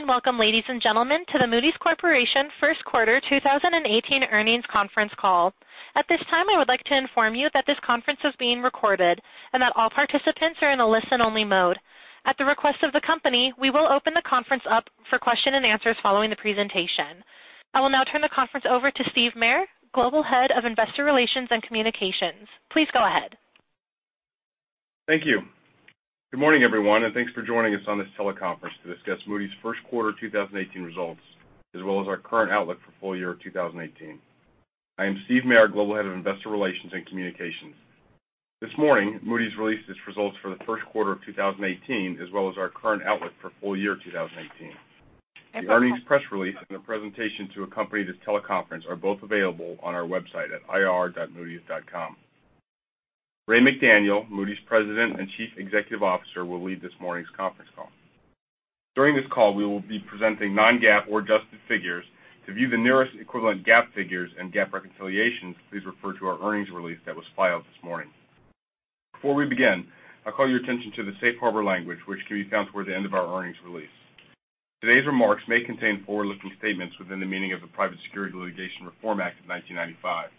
Good day, and welcome, ladies and gentlemen, to the Moody's Corporation first quarter 2018 earnings conference call. At this time, I would like to inform you that this conference is being recorded, and that all participants are in a listen-only mode. At the request of the company, we will open the conference up for question and answers following the presentation. I will now turn the conference over to Steve Mayer, Global Head of Investor Relations and Communications. Please go ahead. Thank you. Good morning, everyone, and thanks for joining us on this teleconference to discuss Moody's first quarter 2018 results, as well as our current outlook for full year 2018. I am Sivam Mayer, Global Head of Investor Relations and Communications. This morning, Moody's released its results for the first quarter of 2018, as well as our current outlook for full year 2018. The earnings press release and the presentation to accompany this teleconference are both available on our website at ir.moodys.com. Ray McDaniel, Moody's President and Chief Executive Officer, will lead this morning's conference call. During this call, we will be presenting non-GAAP or adjusted figures. To view the nearest equivalent GAAP figures and GAAP reconciliations, please refer to our earnings release that was filed this morning. Before we begin, I call your attention to the safe harbor language, which can be found toward the end of our earnings release. Today's remarks may contain forward-looking statements within the meaning of the Private Securities Litigation Reform Act of 1995.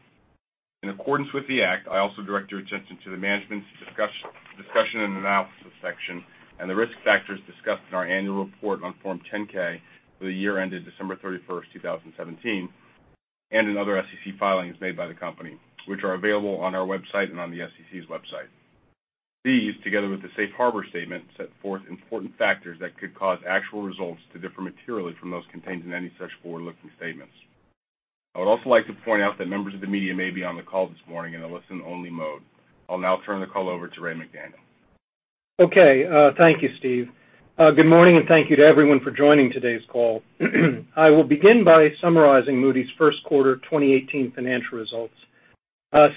In accordance with the act, I also direct your attention to the Management's Discussion and Analysis section and the risk factors discussed in our annual report on Form 10-K for the year ended December 31st, 2017, and in other SEC filings made by the company, which are available on our website and on the SEC's website. These, together with the safe harbor statement, set forth important factors that could cause actual results to differ materially from those contained in any such forward-looking statements. I would also like to point out that members of the media may be on the call this morning in a listen-only mode. I'll now turn the call over to Ray McDaniel. Okay. Thank you, Steve. Good morning, and thank you to everyone for joining today's call. I will begin by summarizing Moody's first quarter 2018 financial results.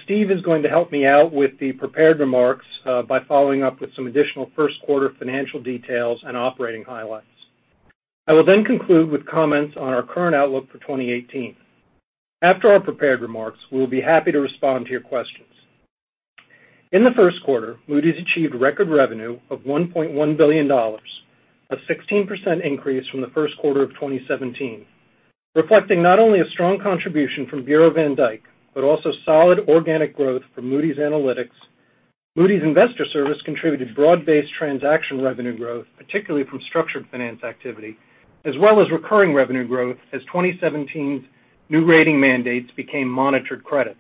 Steve is going to help me out with the prepared remarks by following up with some additional first-quarter financial details and operating highlights. I will conclude with comments on our current outlook for 2018. After our prepared remarks, we will be happy to respond to your questions. In the first quarter, Moody's achieved record revenue of $1.1 billion, a 16% increase from the first quarter of 2017, reflecting not only a strong contribution from Bureau van Dijk, but also solid organic growth from Moody's Analytics. Moody's Investors Service contributed broad-based transaction revenue growth, particularly from structured finance activity, as well as recurring revenue growth as 2017's new rating mandates became monitored credits.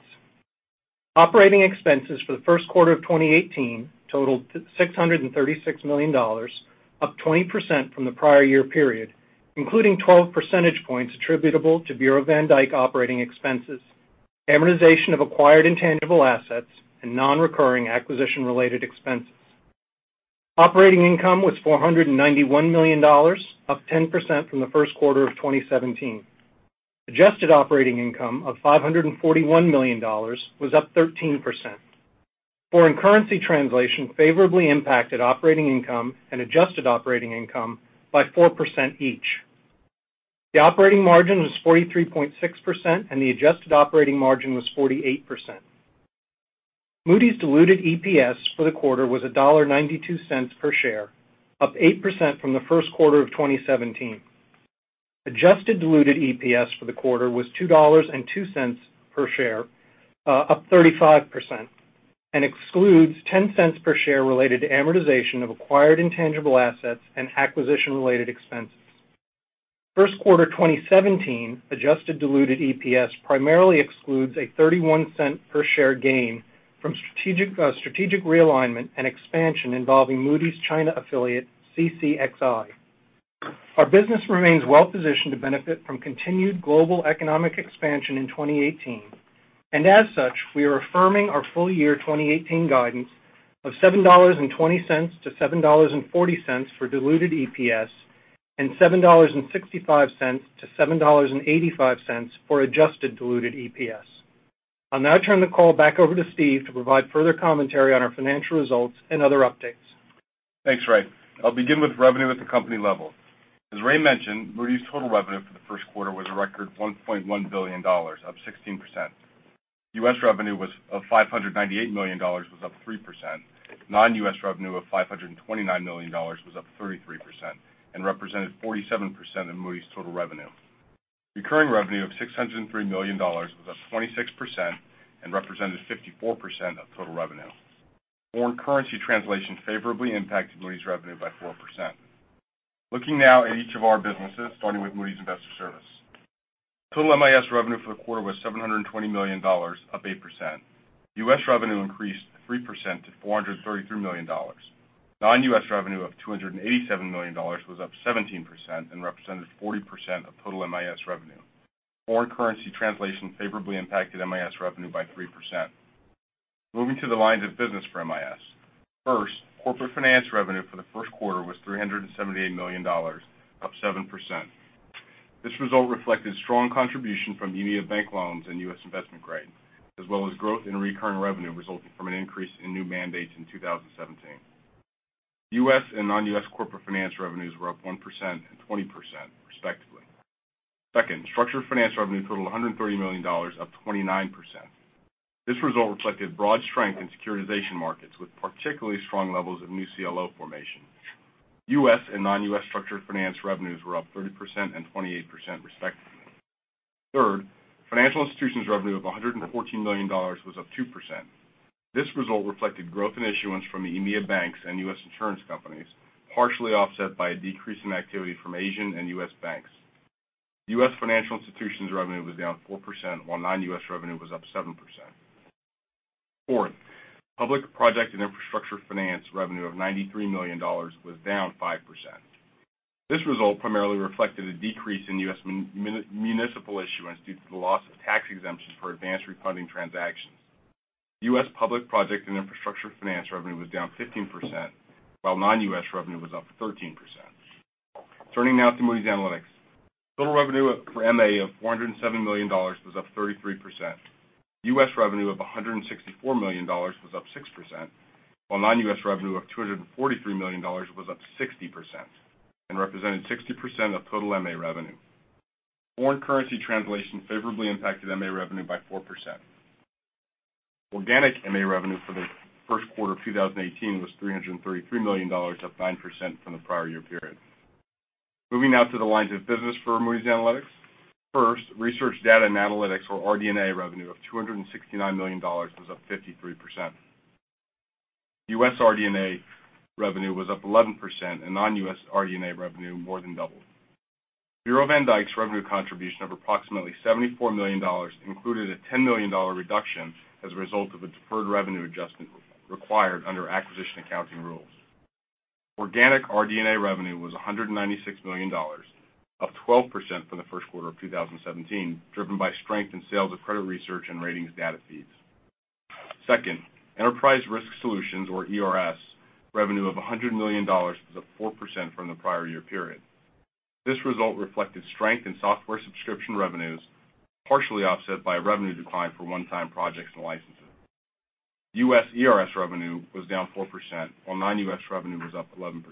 Operating expenses for the first quarter of 2018 totaled $636 million, up 20% from the prior year period, including 12 percentage points attributable to Bureau van Dijk operating expenses, amortization of acquired intangible assets, and non-recurring acquisition-related expenses. Operating income was $491 million, up 10% from the first quarter of 2017. Adjusted operating income of $541 million was up 13%. Foreign currency translation favorably impacted operating income and adjusted operating income by 4% each. The operating margin was 43.6%, and the adjusted operating margin was 48%. Moody's diluted EPS for the quarter was $1.92 per share, up 8% from the first quarter of 2017. Adjusted diluted EPS for the quarter was $2.02 per share, up 35%, and excludes $0.10 per share related to amortization of acquired intangible assets and acquisition-related expenses. First quarter 2017 adjusted diluted EPS primarily excludes a $0.31 per share gain from strategic realignment and expansion involving Moody's China affiliate, CCXI. Our business remains well-positioned to benefit from continued global economic expansion in 2018, as such, we are affirming our full year 2018 guidance of $7.20-$7.40 for diluted EPS and $7.65-$7.85 for adjusted diluted EPS. I'll now turn the call back over to Steve to provide further commentary on our financial results and other updates. Thanks, Ray. I'll begin with revenue at the company level. As Ray mentioned, Moody's total revenue for the first quarter was a record $1.1 billion, up 16%. U.S. revenue of $598 million was up 3%. Non-U.S. revenue of $529 million was up 33% and represented 47% of Moody's total revenue. Recurring revenue of $603 million was up 26% and represented 54% of total revenue. Foreign currency translation favorably impacted Moody's revenue by 4%. Looking now at each of our businesses, starting with Moody's Investors Service. Total MIS revenue for the quarter was $720 million, up 8%. U.S. revenue increased 3% to $433 million. Non-U.S. revenue of $287 million was up 17% and represented 40% of total MIS revenue. Foreign currency translation favorably impacted MIS revenue by 3%. Moving to the lines of business for MIS. First, Corporate Finance revenue for the first quarter was $378 million, up 7%. This result reflected strong contribution from EMEA bank loans and U.S. investment grade, as well as growth in recurring revenue resulting from an increase in new mandates in 2017. U.S. and non-U.S. corporate finance revenues were up 1% and 20% respectively. Second, structured finance revenue totaled $130 million, up 29%. This result reflected broad strength in securitization markets, with particularly strong levels of new CLO formation. U.S. and non-U.S. structured finance revenues were up 30% and 28%, respectively. Third, financial institutions revenue of $114 million was up 2%. This result reflected growth in issuance from the EMEA banks and U.S. insurance companies, partially offset by a decrease in activity from Asian and U.S. banks. U.S. financial institutions revenue was down 4%, while non-U.S. revenue was up 7%. Fourth, public project and infrastructure finance revenue of $93 million was down 5%. This result primarily reflected a decrease in U.S. municipal issuance due to the loss of tax exemptions for advanced refunding transactions. U.S. public project and infrastructure finance revenue was down 15%, while non-U.S. revenue was up 13%. Turning now to Moody's Analytics. Total revenue for MA of $407 million was up 33%. U.S. revenue of $164 million was up 6%, while non-U.S. revenue of $243 million was up 60% and represented 60% of total MA revenue. Foreign currency translation favorably impacted MA revenue by 4%. Organic MA revenue for the first quarter of 2018 was $333 million, up 9% from the prior year period. Moving now to the lines of business for Moody's Analytics. First, research, data, and analytics, or RD&A revenue of $269 million was up 53%. U.S. RD&A revenue was up 11%, and non-U.S. RD&A revenue more than doubled. Bureau van Dijk's revenue contribution of approximately $74 million included a $10 million reduction as a result of a deferred revenue adjustment required under acquisition accounting rules. Organic RD&A revenue was $196 million, up 12% from the first quarter of 2017, driven by strength in sales of credit research and ratings data feeds. Second, Enterprise Risk Solutions, or ERS, revenue of $100 million was up 4% from the prior year period. This result reflected strength in software subscription revenues, partially offset by a revenue decline for one-time projects and licenses. U.S. ERS revenue was down 4%, while non-U.S. revenue was up 11%.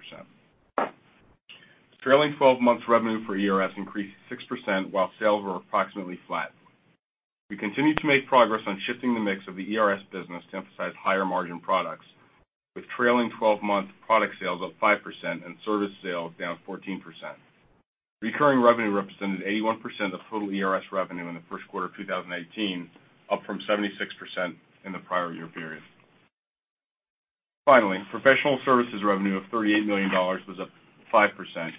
Trailing 12 months revenue for ERS increased 6%, while sales were approximately flat. We continue to make progress on shifting the mix of the ERS business to emphasize higher margin products, with trailing 12-month product sales up 5% and service sales down 14%. Recurring revenue represented 81% of total ERS revenue in the first quarter of 2018, up from 76% in the prior year period. Finally, professional services revenue of $38 million was up 5%.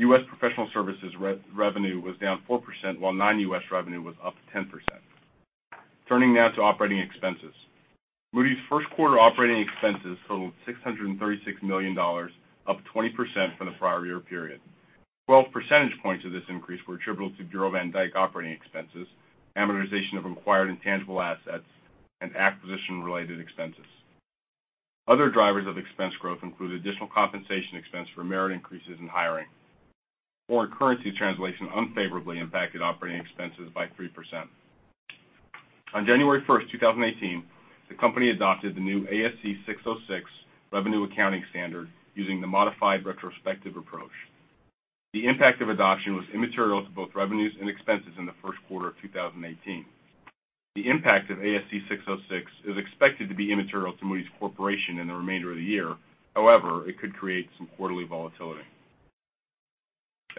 U.S. professional services revenue was down 4%, while non-U.S. revenue was up 10%. Turning now to operating expenses. Moody's first quarter operating expenses totaled $636 million, up 20% from the prior year period. 12 percentage points of this increase were attributable to Bureau van Dijk operating expenses, amortization of acquired intangible assets, and acquisition-related expenses. Other drivers of expense growth include additional compensation expense for merit increases and hiring. Foreign currency translation unfavorably impacted operating expenses by 3%. On January 1st, 2018, the company adopted the new ASC 606 revenue accounting standard using the modified retrospective approach. The impact of adoption was immaterial to both revenues and expenses in the first quarter of 2018. The impact of ASC 606 is expected to be immaterial to Moody's Corporation in the remainder of the year. However, it could create some quarterly volatility.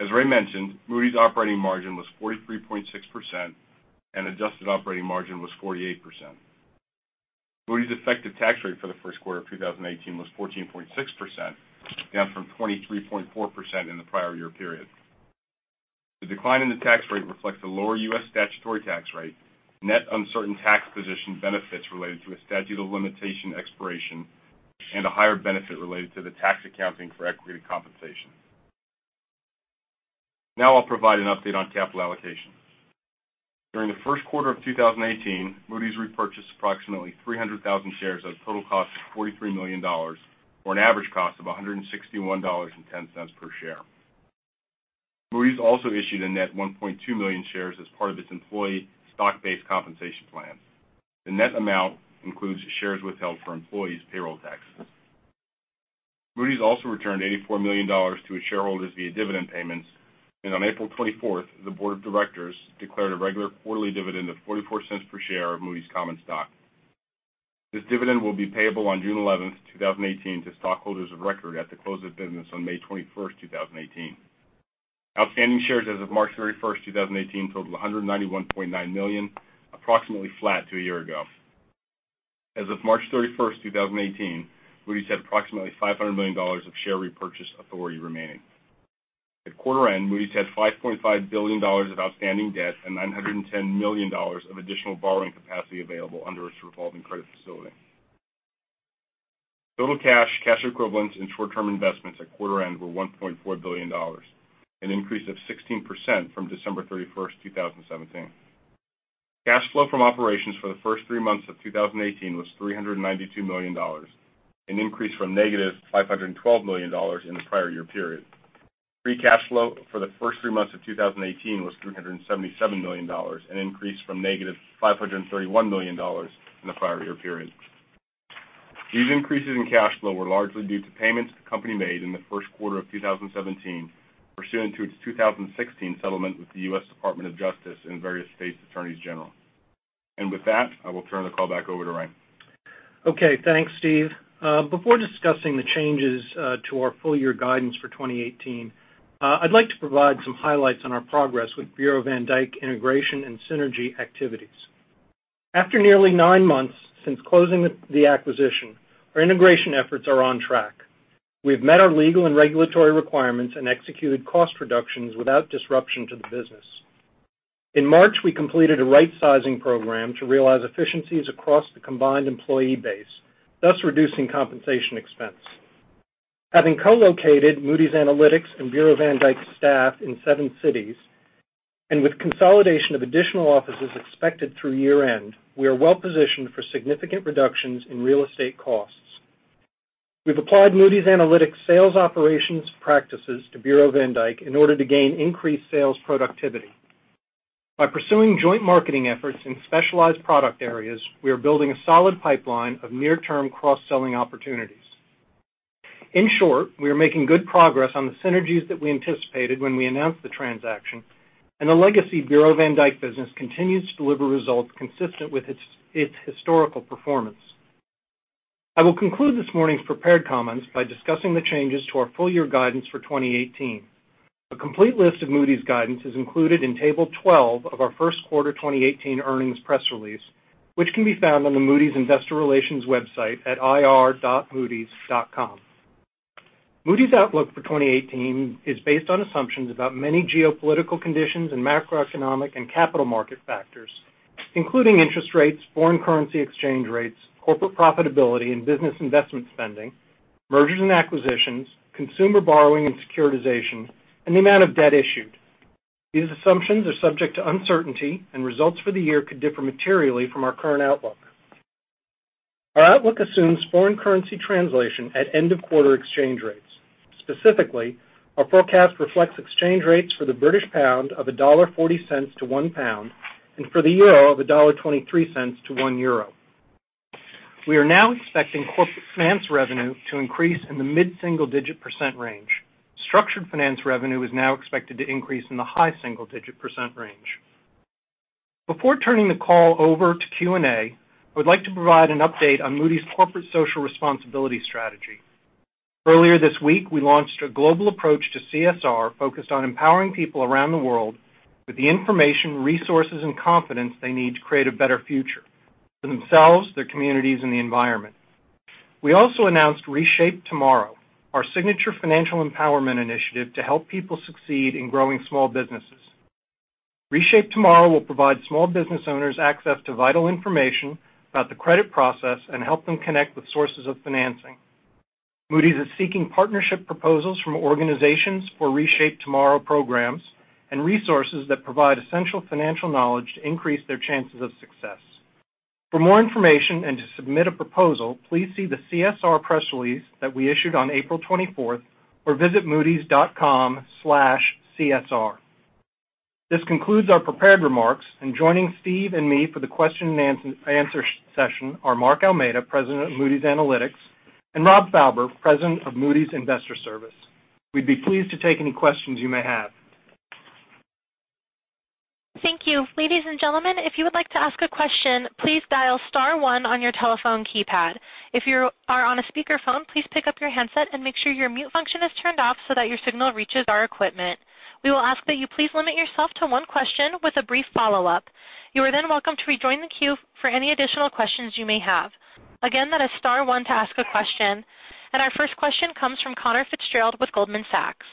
As Ray mentioned, Moody's operating margin was 43.6% and adjusted operating margin was 48%. Moody's effective tax rate for the first quarter of 2018 was 14.6%, down from 23.4% in the prior year period. The decline in the tax rate reflects a lower U.S. statutory tax rate, net uncertain tax position benefits related to a statute of limitation expiration, and a higher benefit related to the tax accounting for equity compensation. Now I'll provide an update on capital allocation. During the first quarter of 2018, Moody's repurchased approximately 300,000 shares at a total cost of $43 million, or an average cost of $161.10 per share. Moody's also issued a net 1.2 million shares as part of its employee stock-based compensation plan. The net amount includes shares withheld for employees' payroll taxes. Moody's also returned $84 million to its shareholders via dividend payments. On April 24th, the board of directors declared a regular quarterly dividend of $0.44 per share of Moody's common stock. This dividend will be payable on June 11th, 2018, to stockholders of record at the close of business on May 21st, 2018. Outstanding shares as of March 31st, 2018, totaled 191.9 million, approximately flat to a year ago. As of March 31st, 2018, Moody's had approximately $500 million of share repurchase authority remaining. At quarter end, Moody's had $5.5 billion of outstanding debt and $910 million of additional borrowing capacity available under its revolving credit facility. Total cash equivalents, and short-term investments at quarter end were $1.4 billion, an increase of 16% from December 31st, 2017. Cash flow from operations for the first three months of 2018 was $392 million, an increase from negative $512 million in the prior year period. Free cash flow for the first three months of 2018 was $377 million, an increase from negative $531 million in the prior year period. These increases in cash flow were largely due to payments the company made in the first quarter of 2017 pursuant to its 2016 settlement with the U.S. Department of Justice and various state attorneys general. With that, I will turn the call back over to Raymond McDaniel. Okay. Thanks, Sivam. Before discussing the changes to our full year guidance for 2018, I'd like to provide some highlights on our progress with Bureau van Dijk integration and synergy activities. After nearly nine months since closing the acquisition, our integration efforts are on track. We've met our legal and regulatory requirements and executed cost reductions without disruption to the business. In March, we completed a right-sizing program to realize efficiencies across the combined employee base, thus reducing compensation expense. Having co-located Moody's Analytics and Bureau van Dijk staff in seven cities, and with consolidation of additional offices expected through year-end, we are well-positioned for significant reductions in real estate costs. We've applied Moody's Analytics sales operations practices to Bureau van Dijk in order to gain increased sales productivity. By pursuing joint marketing efforts in specialized product areas, we are building a solid pipeline of near-term cross-selling opportunities. In short, we are making good progress on the synergies that we anticipated when we announced the transaction, and the legacy Bureau van Dijk business continues to deliver results consistent with its historical performance. I will conclude this morning's prepared comments by discussing the changes to our full year guidance for 2018. A complete list of Moody's guidance is included in table 12 of our first quarter 2018 earnings press release, which can be found on the Moody's Investor Relations website at ir.moodys.com. Moody's outlook for 2018 is based on assumptions about many geopolitical conditions and macroeconomic and capital market factors, including interest rates, foreign currency exchange rates, corporate profitability, and business investment spending, mergers and acquisitions, consumer borrowing and securitization, and the amount of debt issued. These assumptions are subject to uncertainty, and results for the year could differ materially from our current outlook. Our outlook assumes foreign currency translation at end of quarter exchange rates. Specifically, our forecast reflects exchange rates for the British pound of $1.40 to £1 and for the euro of $1.23 to €1. We are now expecting corporate finance revenue to increase in the mid-single digit % range. Structured finance revenue is now expected to increase in the high single-digit % range. Before turning the call over to Q&A, I would like to provide an update on Moody's corporate social responsibility strategy. Earlier this week, we launched a global approach to CSR focused on empowering people around the world with the information, resources, and confidence they need to create a better future for themselves, their communities, and the environment. We also announced Reshape Tomorrow, our signature financial empowerment initiative to help people succeed in growing small businesses. Reshape Tomorrow will provide small business owners access to vital information about the credit process and help them connect with sources of financing. Moody's is seeking partnership proposals from organizations for Reshape Tomorrow programs and resources that provide essential financial knowledge to increase their chances of success. For more information and to submit a proposal, please see the CSR press release that we issued on April 24th or visit moodys.com/csr. This concludes our prepared remarks, and joining Sivam and me for the question and answer session are Mark Almeida, President of Moody's Analytics, and Robert Fauber, President of Moody's Investors Service. We'd be pleased to take any questions you may have. Thank you. Ladies and gentlemen, if you would like to ask a question, please dial star one on your telephone keypad. If you are on a speakerphone, please pick up your handset and make sure your mute function is turned off so that your signal reaches our equipment. We will ask that you please limit yourself to one question with a brief follow-up. You are then welcome to rejoin the queue for any additional questions you may have. Again, that is star one to ask a question. Our first question comes from Conor Fitzgerald with Goldman Sachs.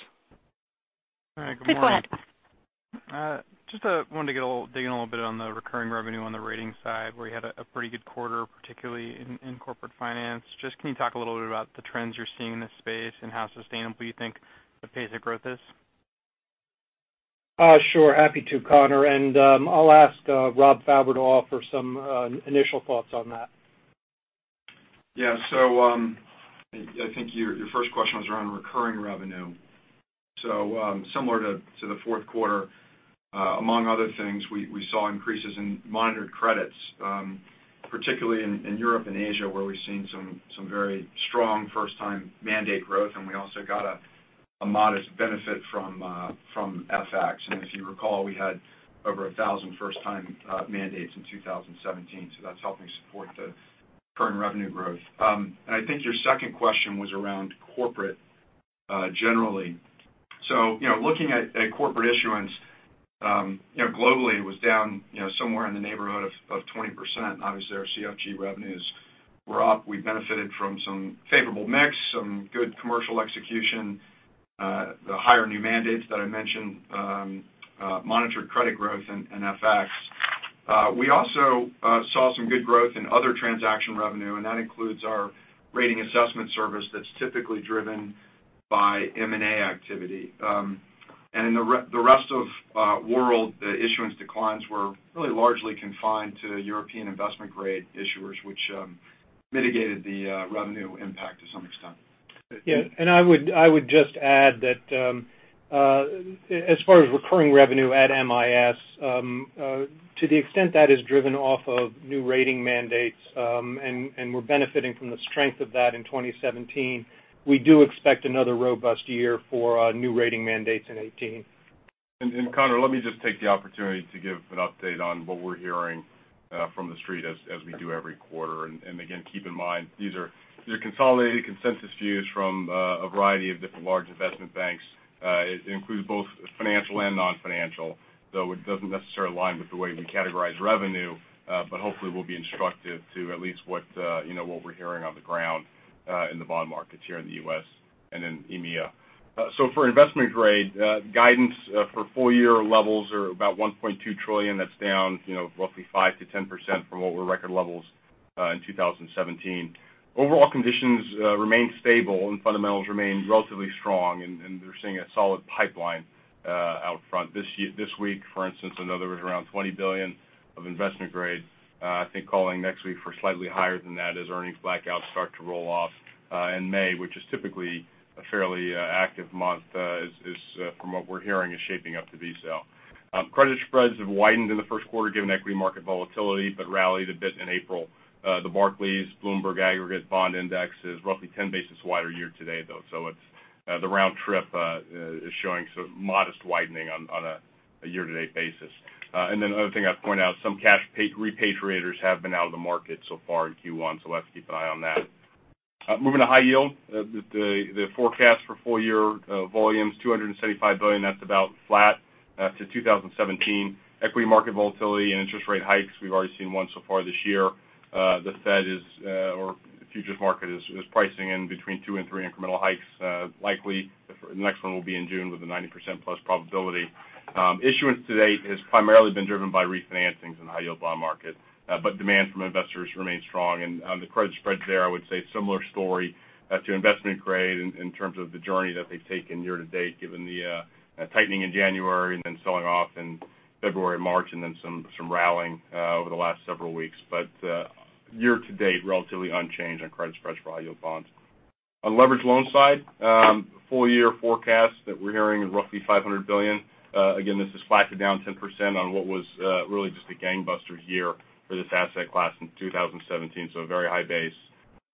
All right. Good morning. Please go ahead. Just wanted to get a little dig in a little bit on the recurring revenue on the ratings side, where you had a pretty good quarter, particularly in Corporate Finance. Just can you talk a little bit about the trends you're seeing in this space and how sustainable you think the pace of growth is? Sure. Happy to, Conor, I'll ask Robert Fauber to offer some initial thoughts on that. Yeah. I think your first question was around recurring revenue. Similar to the fourth quarter, among other things, we saw increases in monitored credits, particularly in Europe and Asia, where we've seen some very strong first-time mandate growth, and we also got a modest benefit from FX. If you recall, we had over 1,000 first-time mandates in 2017, that's helping support the current revenue growth. I think your second question was around corporate generally. Looking at corporate issuance, globally, it was down somewhere in the neighborhood of 20%. Obviously, our CFG revenues were up. We benefited from some favorable mix, some good commercial execution, the higher new mandates that I mentioned, monitored credit growth, and FX. We also saw some good growth in other transaction revenue, and that includes our rating assessment service that's typically driven by M&A activity. In the rest of world, the issuance declines were really largely confined to European investment-grade issuers, which mitigated the revenue impact to some extent. Yeah. I would just add that as far as recurring revenue at MIS, to the extent that is driven off of new rating mandates, and we're benefiting from the strength of that in 2017, we do expect another robust year for new rating mandates in 2018. Conor, let me just take the opportunity to give an update on what we're hearing from The Street as we do every quarter. Again, keep in mind, these are your consolidated consensus views from a variety of different large investment banks. It includes both financial and non-financial, though it doesn't necessarily align with the way we categorize revenue. Hopefully, we'll be instructive to at least what we're hearing on the ground in the bond markets here in the U.S. and in EMEA. For investment grade, guidance for full-year levels are about $1.2 trillion. That's down roughly 5%-10% from what were record levels in 2017. Overall conditions remain stable, and fundamentals remain relatively strong, and they're seeing a solid pipeline out front. This week, for instance, another around $20 billion of investment grade. I think calling next week for slightly higher than that as earnings blackouts start to roll off in May, which is typically a fairly active month. From what we're hearing, is shaping up to be so. Credit spreads have widened in the first quarter given equity market volatility, but rallied a bit in April. The Bloomberg Barclays U.S. Aggregate Bond Index is roughly 10 basis points wider year-to-date, though. The round trip is showing modest widening on a year-to-date basis. Another thing I'd point out, some cash repatriators have been out of the market so far in Q1, so we'll have to keep an eye on that. Moving to high-yield. The forecast for full-year volume is $275 billion. That's about flat to 2017. Equity market volatility and interest rate hikes, we've already seen one so far this year. The Fed is, or the futures market is pricing in between two and three incremental hikes. Likely, the next one will be in June with a 90%+ probability. Issuance to date has primarily been driven by refinancings in the high-yield bond market. Demand from investors remains strong. The credit spreads there, I would say similar story to investment grade in terms of the journey that they've taken year-to-date, given the tightening in January and then selling off in February, March, and then some rallying over the last several weeks. Year-to-date, relatively unchanged on credit spreads for high-yield bonds. On the leveraged loan side, full-year forecast that we're hearing is roughly $500 billion. Again, this is flat to down 10% on what was really just a gangbuster year for this asset class in 2017, so a very high base.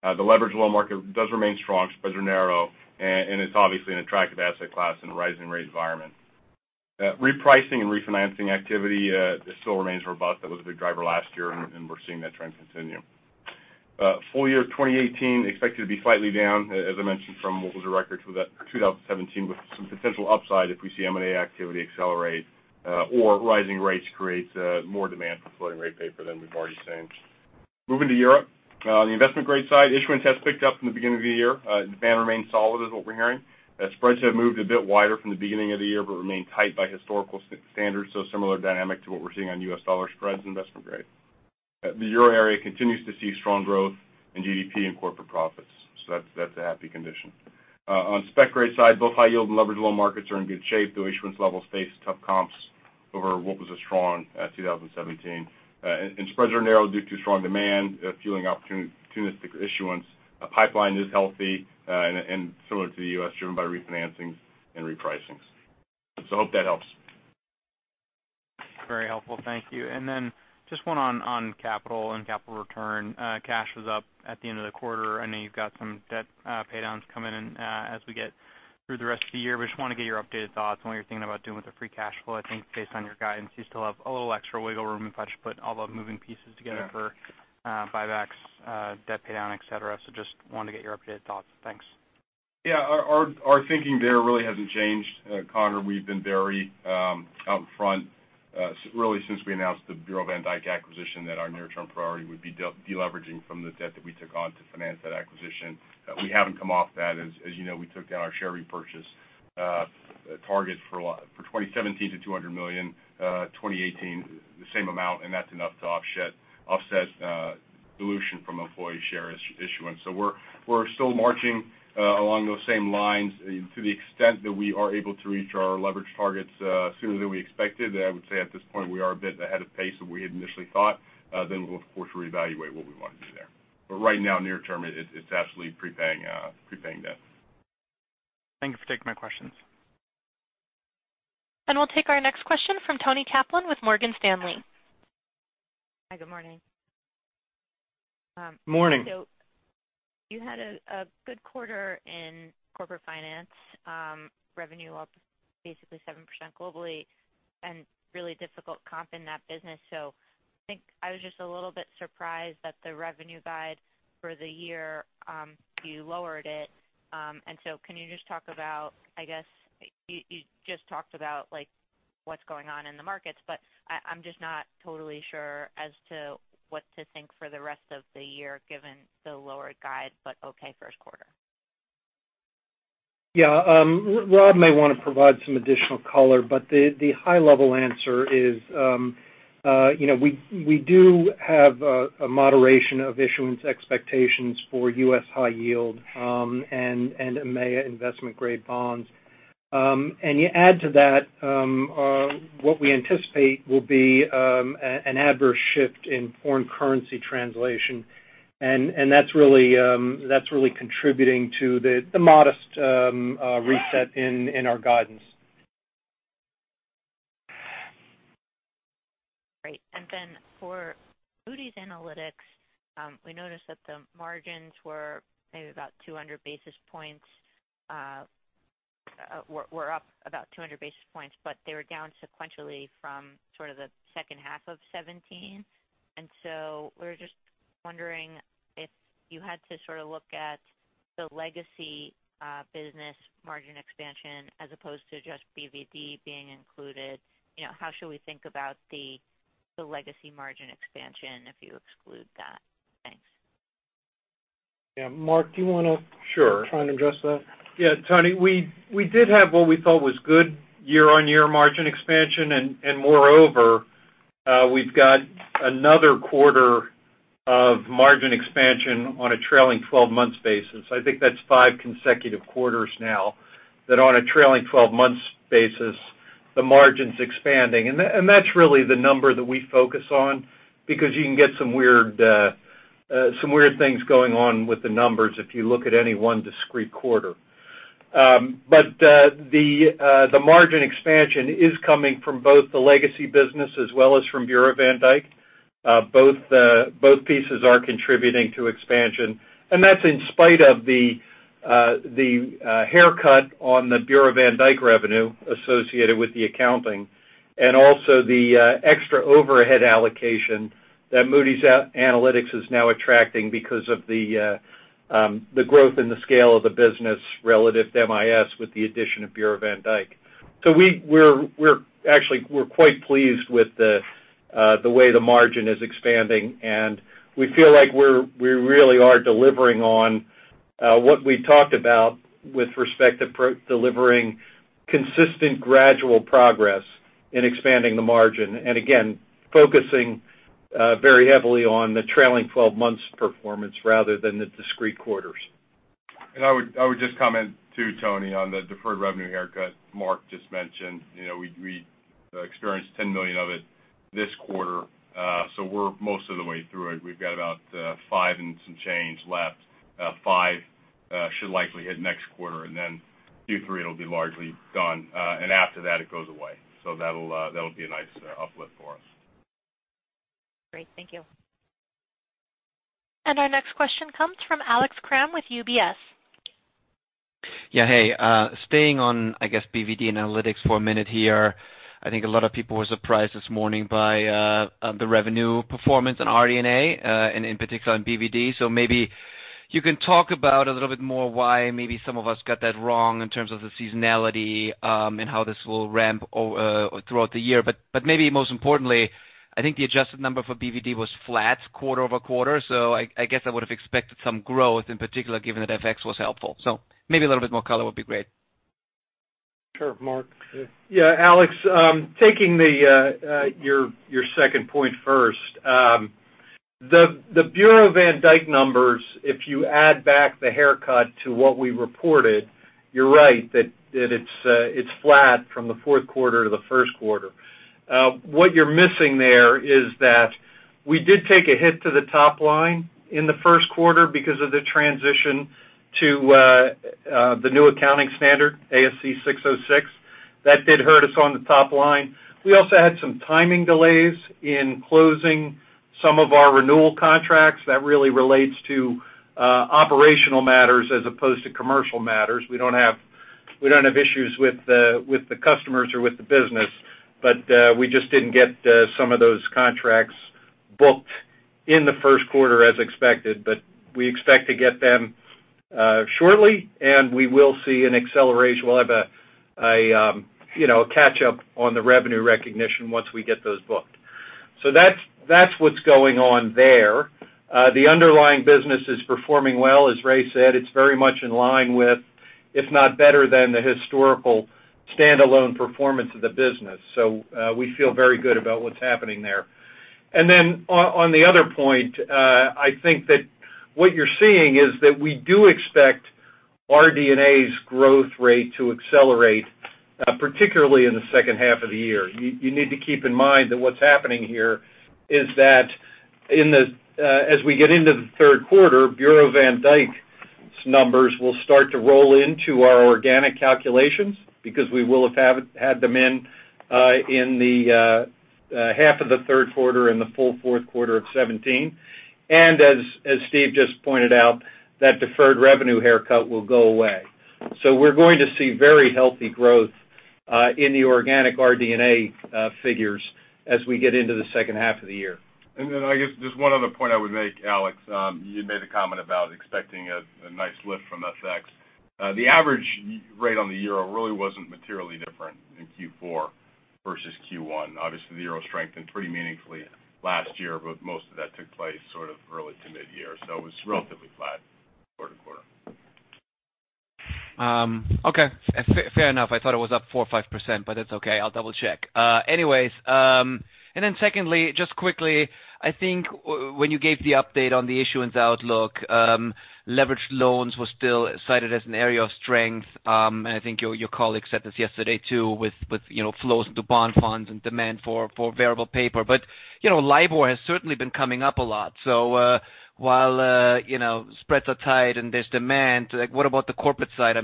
The leveraged loan market does remain strong. Spreads are narrow, and it's obviously an attractive asset class in a rising rate environment. Repricing and refinancing activity still remains robust. That was a big driver last year, and we're seeing that trend continue. Full-year 2018 expected to be slightly down, as I mentioned, from what was a record 2017, with some potential upside if we see M&A activity accelerate or rising rates create more demand for floating rate paper than we've already seen. Moving to Europe. On the investment grade side, issuance has picked up from the beginning of the year. Demand remains solid is what we're hearing. Spreads have moved a bit wider from the beginning of the year but remain tight by historical standards, so similar dynamic to what we're seeing on U.S. dollar spreads investment grade. The Euro area continues to see strong growth in GDP and corporate profits. That's a happy condition. On the spec grade side, both high yield and leveraged loan markets are in good shape, though issuance levels face tough comps over what was a strong 2017. Spreads are narrow due to strong demand, fueling opportunistic issuance. Pipeline is healthy and similar to the U.S., driven by refinancings and repricings. Hope that helps. Very helpful. Thank you. Then just one on capital and capital return. Cash was up at the end of the quarter. I know you've got some debt paydowns coming in as we get through the rest of the year. Just want to get your updated thoughts on what you're thinking about doing with the free cash flow. I think based on your guidance, you still have a little extra wiggle room if I put all the moving pieces together for buybacks, debt paydown, et cetera. Just wanted to get your updated thoughts. Thanks. Yeah. Our thinking there really hasn't changed, Conor. We've been very up front really since we announced the Bureau van Dijk acquisition that our near-term priority would be de-leveraging from the debt that we took on to finance that acquisition. We haven't come off that. As you know, we took down our share repurchase target for 2017 to $200 million. 2018, the same amount. That's enough to offset dilution from employee share issuance. We're still marching along those same lines to the extent that we are able to reach our leverage targets sooner than we expected. I would say at this point, we are a bit ahead of pace than we had initially thought. We'll, of course, reevaluate what we want to do there. Right now, near term, it's absolutely prepaying debt. Thank you for taking my questions. We'll take our next question from Toni Kaplan with Morgan Stanley. Hi, good morning. Morning. You had a good quarter in corporate finance. Revenue up basically 7% globally and really difficult comp in that business. I think I was just a little bit surprised that the revenue guide for the year, you lowered it. Can you just talk about, I guess you just talked about what's going on in the markets, but I'm just not totally sure as to what to think for the rest of the year given the lowered guide, but okay first quarter. Yeah. Rob may want to provide some additional color, but the high-level answer is we do have a moderation of issuance expectations for US high yield and EMEA investment-grade bonds. You add to that what we anticipate will be an adverse shift in foreign currency translation. That's really contributing to the modest reset in our guidance. Great. For Moody's Analytics, we noticed that the margins were up about 200 basis points, they were down sequentially from the second half of 2017. We were just wondering if you had to look at the legacy business margin expansion as opposed to just BvD being included, how should we think about the legacy margin expansion if you exclude that? Thanks. Yeah. Mark, do you want to Sure try and address that? Yeah, Toni, we did have what we thought was good year-on-year margin expansion. Moreover, we've got another quarter of margin expansion on a trailing 12-months basis. I think that's five consecutive quarters now that on a trailing 12-months basis, the margin's expanding. That's really the number that we focus on because you can get some weird things going on with the numbers if you look at any one discrete quarter. The margin expansion is coming from both the legacy business as well as from Bureau van Dijk. Both pieces are contributing to expansion. That's in spite of the haircut on the Bureau van Dijk revenue associated with the accounting and also the extra overhead allocation that Moody's Analytics is now attracting because of the growth in the scale of the business relative to MIS with the addition of Bureau van Dijk. Actually, we're quite pleased with the way the margin is expanding, and we feel like we really are delivering on what we talked about with respect to delivering consistent gradual progress in expanding the margin. Again, focusing very heavily on the trailing 12-months performance rather than the discrete quarters. I would just comment too, Toni, on the deferred revenue haircut Mark just mentioned. We experienced $10 million of it this quarter. We're most of the way through it. We've got about five and some change left. Five should likely hit next quarter, and then Q3 it'll be largely gone. After that, it goes away. That'll be a nice uplift for us. Great. Thank you. Our next question comes from Alex Kramm with UBS. Yeah. Hey, staying on, I guess, BvD analytics for a minute here. I think a lot of people were surprised this morning by the revenue performance in RD&A, and in particular in BvD. Maybe you can talk about a little bit more why maybe some of us got that wrong in terms of the seasonality, and how this will ramp throughout the year. But maybe most importantly, I think the adjusted number for BvD was flat quarter-over-quarter. I guess I would've expected some growth in particular, given that FX was helpful. Maybe a little bit more color would be great. Sure. Mark? Yeah. Alex, taking your second point first. The Bureau van Dijk numbers, if you add back the haircut to what we reported, you're right that it's flat from the fourth quarter to the first quarter. What you're missing there is that we did take a hit to the top line in the first quarter because of the transition to the new accounting standard, ASC 606. That did hurt us on the top line. We also had some timing delays in closing some of our renewal contracts. That really relates to operational matters as opposed to commercial matters. We don't have issues with the customers or with the business. We just didn't get some of those contracts booked in the first quarter as expected. We expect to get them shortly, and we will see an acceleration. We'll have a catch-up on the revenue recognition once we get those booked. That's what's going on there. The underlying business is performing well. As Ray said, it's very much in line with, if not better than, the historical standalone performance of the business. We feel very good about what's happening there. On the other point, I think that what you're seeing is that we do expect RD&A's growth rate to accelerate, particularly in the second half of the year. You need to keep in mind that what's happening here is that as we get into the third quarter, Bureau van Dijk's numbers will start to roll into our organic calculations because we will have had them in the half of the third quarter and the full fourth quarter of 2017. As Steve just pointed out, that deferred revenue haircut will go away. We're going to see very healthy growth in the organic RD&A figures as we get into the second half of the year. I guess just one other point I would make, Alex. You made a comment about expecting a nice lift from FX. The average rate on the euro really wasn't materially different in Q4 versus Q1. Obviously, the euro strengthened pretty meaningfully last year, but most of that took place early to mid-year, so it was relatively flat quarter-to-quarter. Okay. Fair enough. I thought it was up 4% or 5%, but it's okay. I'll double-check. Secondly, just quickly, I think when you gave the update on the issuance outlook, leveraged loans were still cited as an area of strength, and I think your colleague said this yesterday too with flows into bond funds and demand for variable paper. While spreads are tight and there's demand, what about the corporate side?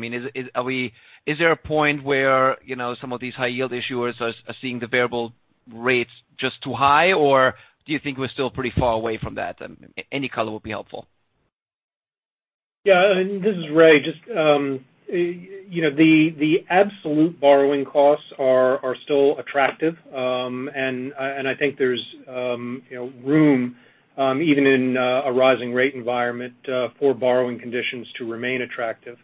Is there a point where some of these high yield issuers are seeing the variable rates just too high, or do you think we're still pretty far away from that? Any color would be helpful. Yeah. This is Ray. The absolute borrowing costs are still attractive. I think there's room, even in a rising rate environment, for borrowing conditions to remain attractive.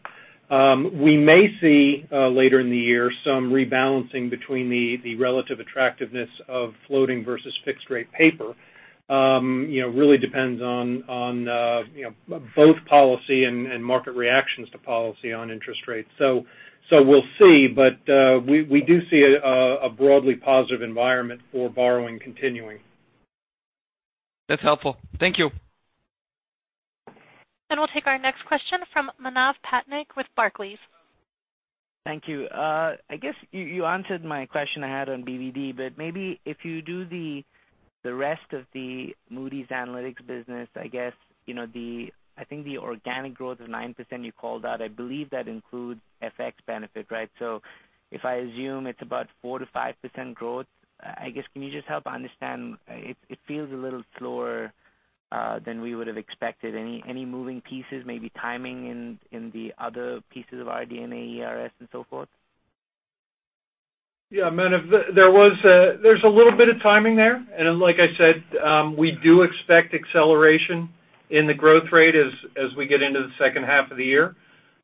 We may see, later in the year, some rebalancing between the relative attractiveness of floating versus fixed-rate paper. Really depends on both policy and market reactions to policy on interest rates. We'll see, but we do see a broadly positive environment for borrowing continuing. That's helpful. Thank you. We'll take our next question from Manav Patnaik with Barclays. Thank you. I guess you answered my question I had on BvD, but maybe if you do the rest of the Moody's Analytics business, I think the organic growth of 9% you called out, I believe that includes FX benefit. If I assume it's about 4%-5% growth, I guess can you just help understand? It feels a little slower than we would have expected. Any moving pieces, maybe timing in the other pieces of RD&A, ERS, and so forth? Yeah, Manav. Like I said, we do expect acceleration in the growth rate as we get into the second half of the year.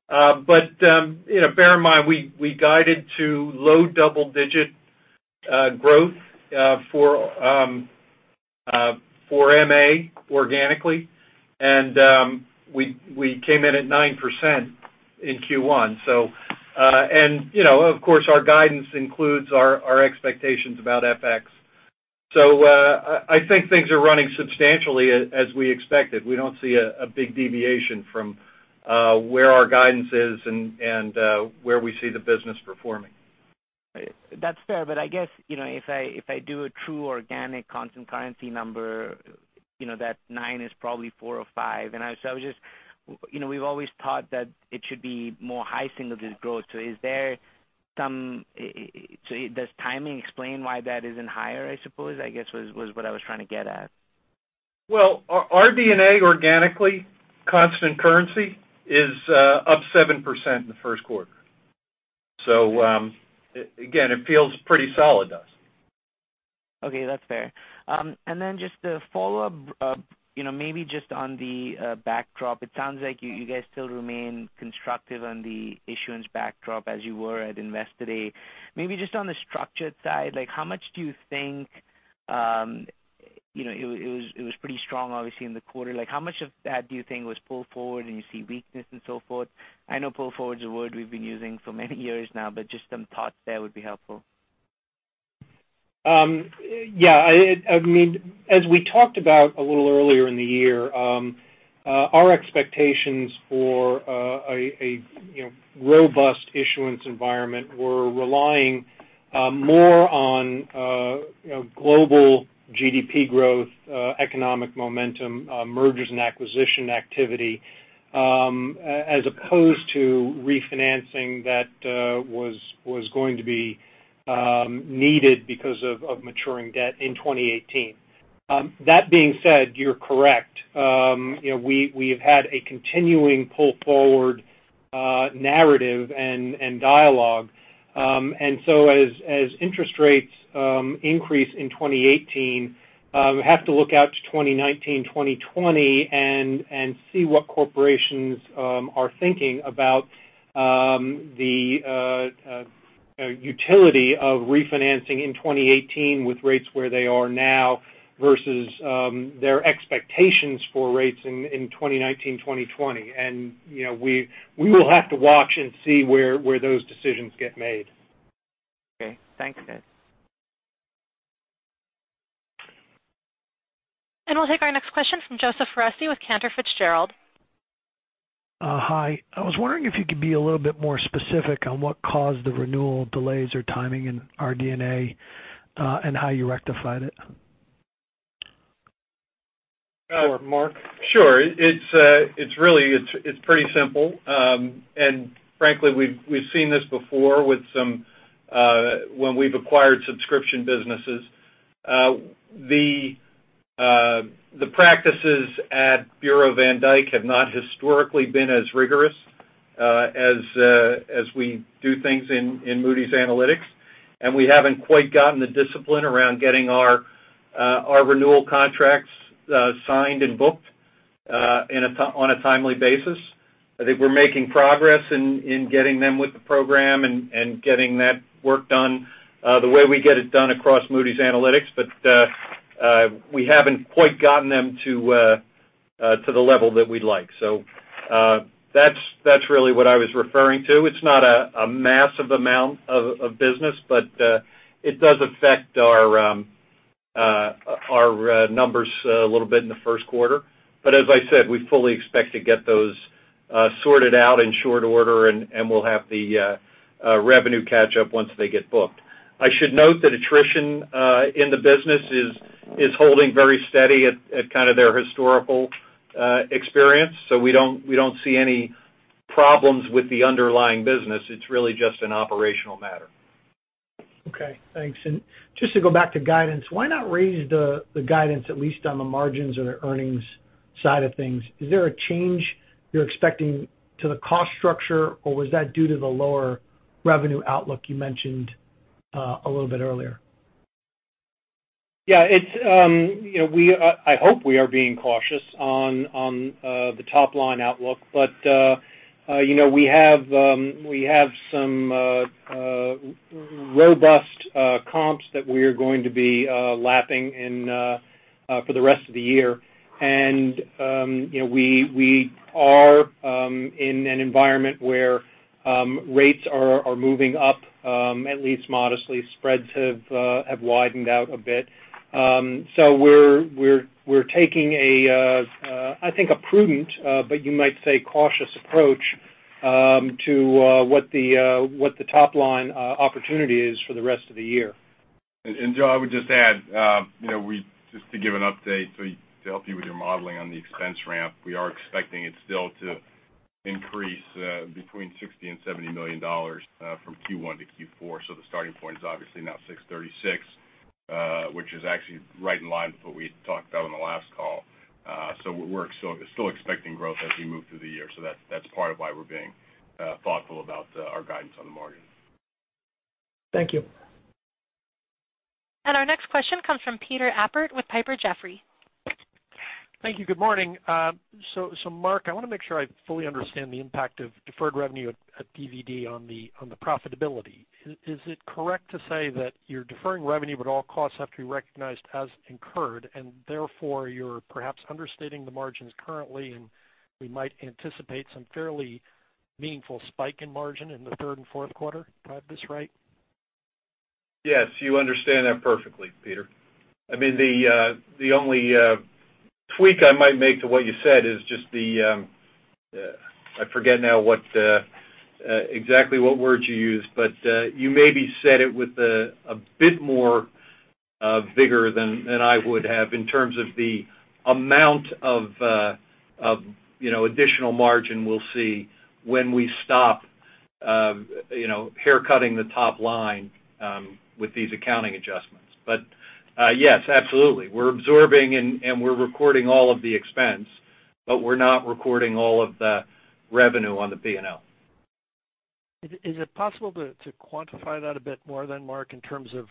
Bear in mind, we guided to low double-digit growth for MA organically, and we came in at 9% in Q1. Of course, our guidance includes our expectations about FX. I think things are running substantially as we expected. We don't see a big deviation from where our guidance is and where we see the business performing. That's fair. I guess if I do a true organic constant currency number, that 9 is probably 4 or 5. We've always thought that it should be more high single-digit growth. Does timing explain why that isn't higher, I suppose, I guess was what I was trying to get at. Well, RD&A organically, constant currency, is up 7% in the first quarter. Again, it feels pretty solid to us. Okay, that's fair. Just a follow-up, maybe just on the backdrop. It sounds like you guys still remain constructive on the issuance backdrop as you were at Investor Day. Maybe just on the structured side, it was pretty strong, obviously, in the quarter. How much of that do you think was pull forward and you see weakness and so forth? I know pull forward is a word we've been using for many years now, but just some thoughts there would be helpful. Yeah. As we talked about a little earlier in the year, our expectations for a robust issuance environment were relying more on global GDP growth, economic momentum, mergers and acquisition activity, as opposed to refinancing that was going to be needed because of maturing debt in 2018. That being said, you're correct. We've had a continuing pull-forward narrative and dialogue. So as interest rates increase in 2018, we have to look out to 2019, 2020 and see what corporations are thinking about the utility of refinancing in 2018 with rates where they are now versus their expectations for rates in 2019, 2020. We will have to watch and see where those decisions get made. Okay. Thanks, guys. We'll take our next question from Joseph Foresi with Cantor Fitzgerald. Hi. I was wondering if you could be a little bit more specific on what caused the renewal delays or timing in RD&A, and how you rectified it. Mark? Sure. It's pretty simple. Frankly, we've seen this before when we've acquired subscription businesses. The practices at Bureau van Dijk have not historically been as rigorous as we do things in Moody's Analytics, and we haven't quite gotten the discipline around getting our renewal contracts signed and booked on a timely basis. I think we're making progress in getting them with the program and getting that work done the way we get it done across Moody's Analytics. We haven't quite gotten them to the level that we'd like. That's really what I was referring to. It's not a massive amount of business, but it does affect our numbers a little bit in the first quarter. As I said, we fully expect to get those sorted out in short order, and we'll have the revenue catch up once they get booked. I should note that attrition in the business is holding very steady at kind of their historical experience. We don't see any problems with the underlying business. It's really just an operational matter. Okay, thanks. Just to go back to guidance, why not raise the guidance at least on the margins or the earnings side of things? Is there a change you're expecting to the cost structure, or was that due to the lower revenue outlook you mentioned a little bit earlier? Yeah. I hope we are being cautious on the top-line outlook. We have some robust comps that we are going to be lapping for the rest of the year. We are in an environment where rates are moving up at least modestly. Spreads have widened out a bit. We're taking, I think, a prudent, but you might say cautious approach, to what the top-line opportunity is for the rest of the year. Joe, I would just add, just to give an update to help you with your modeling on the expense ramp, we are expecting it still to increase between $60 million and $70 million from Q1 to Q4. The starting point is obviously now $636, which is actually right in line with what we had talked about on the last call. We're still expecting growth as we move through the year. That's part of why we're being thoughtful about our guidance on the margin. Thank you. Our next question comes from Peter Appert with Piper Jaffray. Thank you. Good morning. Mark, I want to make sure I fully understand the impact of deferred revenue at BvD on the profitability. Is it correct to say that you're deferring revenue, but all costs have to be recognized as incurred, and therefore you're perhaps understating the margins currently, and we might anticipate some fairly meaningful spike in margin in the third and fourth quarter? Do I have this right? Yes, you understand that perfectly, Peter. The only tweak I might make to what you said is just I forget now exactly what word you used, but you maybe said it with a bit more vigor than I would have in terms of the amount of additional margin we'll see when we stop haircutting the top line with these accounting adjustments. Yes, absolutely. We're absorbing and we're recording all of the expense, but we're not recording all of the revenue on the P&L. Is it possible to quantify that a bit more then, Mark, in terms of,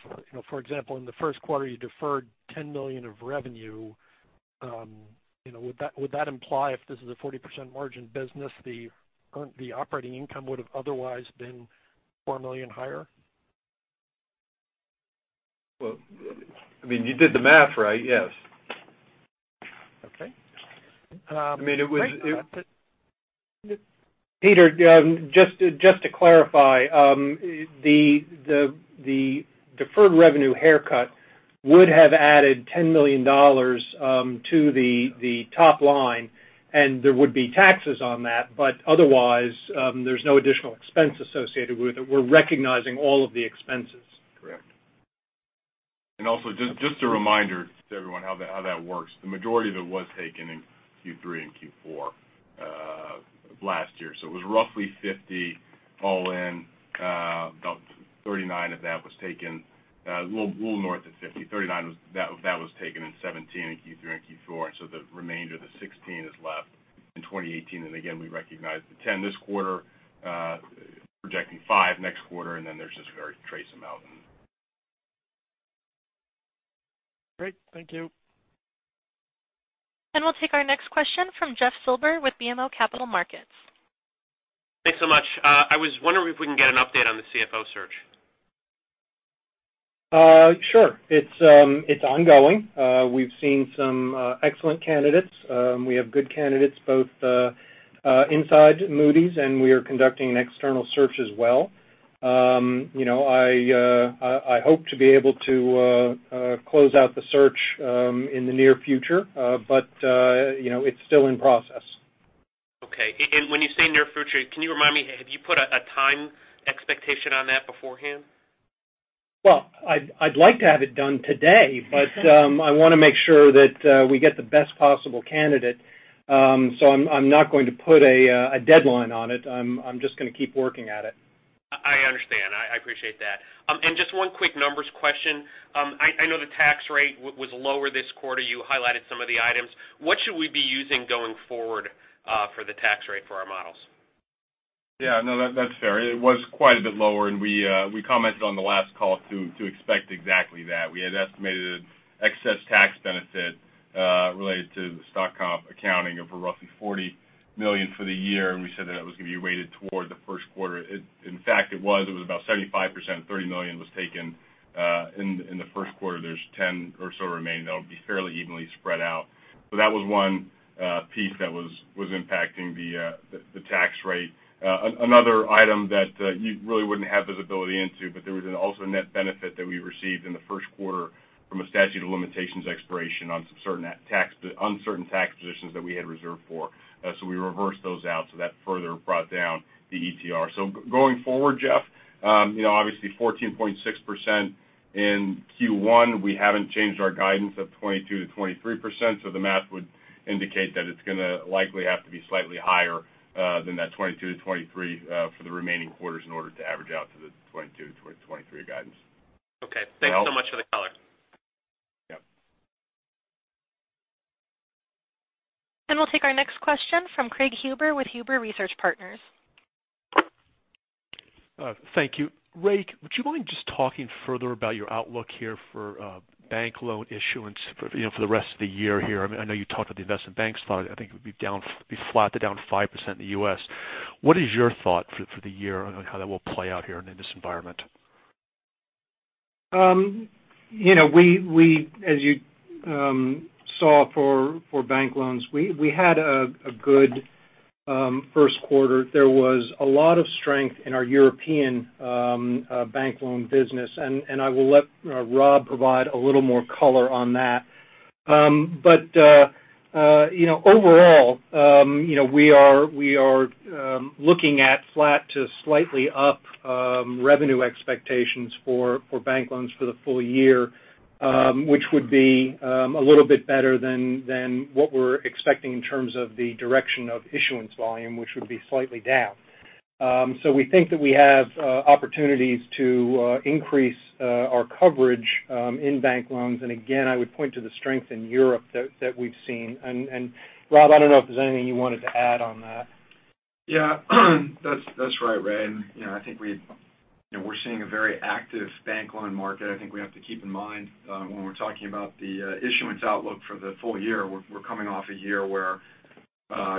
for example, in the first quarter, you deferred $10 million of revenue. Would that imply if this is a 40% margin business, the operating income would have otherwise been $4 million higher? Well, you did the math right. Yes. Okay. Peter, just to clarify, the deferred revenue haircut would have added $10 million to the top line, and there would be taxes on that, but otherwise, there's no additional expense associated with it. We're recognizing all of the expenses. Correct. Also, just a reminder to everyone how that works. The majority of it was taken in Q3 and Q4 of 2017. It was roughly $50 all in. About $39 of that was taken a little north of $50. $39 of that was taken in 2017 in Q3 and Q4, the remainder, the $16 is left in 2018. Again, we recognized the $10 this quarter, projecting $5 next quarter, then there's just a very trace amount. Great. Thank you. We'll take our next question from Jeffrey Silber with BMO Capital Markets. Thanks so much. I was wondering if we can get an update on the CFO search. Sure. It's ongoing. We've seen some excellent candidates. We have good candidates both inside Moody's, and we are conducting an external search as well. I hope to be able to close out the search in the near future. It's still in process. Okay. When you say near future, can you remind me, have you put a time expectation on that beforehand? Well, I'd like to have it done today, but I want to make sure that we get the best possible candidate. I'm not going to put a deadline on it. I'm just going to keep working at it. I understand. I appreciate that. Just one quick numbers question. I know the tax rate was lower this quarter. You highlighted some of the items. What should we be using going forward for the tax rate for our models? Yeah, no, that's fair. It was quite a bit lower, and we commented on the last call to expect exactly that. We had estimated excess tax benefit related to the stock comp accounting of roughly $40 million for the year. We said that it was going to be weighted toward the first quarter. In fact, it was. It was about 75%, $30 million was taken in the first quarter. There's 10 or so remaining that'll be fairly evenly spread out. That was one piece that was impacting the tax rate. Another item that you really wouldn't have visibility into, but there was also a net benefit that we received in the first quarter from a statute of limitations expiration on some uncertain tax positions that we had reserved for. We reversed those out, so that further brought down the ETR. Going forward, Jeff, obviously 14.6% in Q1. We haven't changed our guidance of 22%-23%, so the math would indicate that it's going to likely have to be slightly higher than that 22%-23% for the remaining quarters in order to average out to the 22%-23% guidance. Okay. Thanks so much for the color. Yep. We'll take our next question from Craig Huber with Huber Research Partners. Thank you. Ray, would you mind just talking further about your outlook here for bank loan issuance for the rest of the year here? I know you talked with the investment banks thought it would be flat to down 5% in the U.S. What is your thought for the year on how that will play out here and in this environment? As you saw for bank loans, we had a good first quarter. There was a lot of strength in our European bank loan business. I will let Rob provide a little more color on that. Overall, we are looking at flat to slightly up revenue expectations for bank loans for the full year, which would be a little bit better than what we're expecting in terms of the direction of issuance volume, which would be slightly down. We think that we have opportunities to increase our coverage in bank loans. Again, I would point to the strength in Europe that we've seen. Rob, I don't know if there's anything you wanted to add on that. Yeah. That's right, Ray. I think we're seeing a very active bank loan market. I think we have to keep in mind when we're talking about the issuance outlook for the full year, we're coming off a year where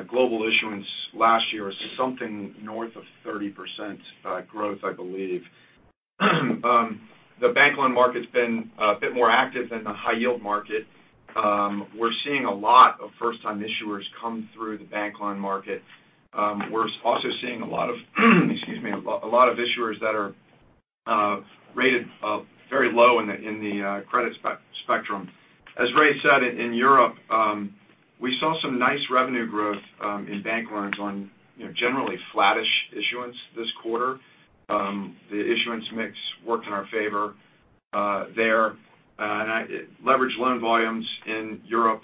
global issuance last year was something north of 30% growth, I believe. The bank loan market's been a bit more active than the high yield market. We're seeing a lot of issuers come through the bank loan market. We're also seeing a lot of issuers that are rated very low in the credit spectrum. As Ray said, in Europe, we saw some nice revenue growth in bank loans on generally flattish issuance this quarter. The issuance mix worked in our favor there. Leveraged loan volumes in Europe,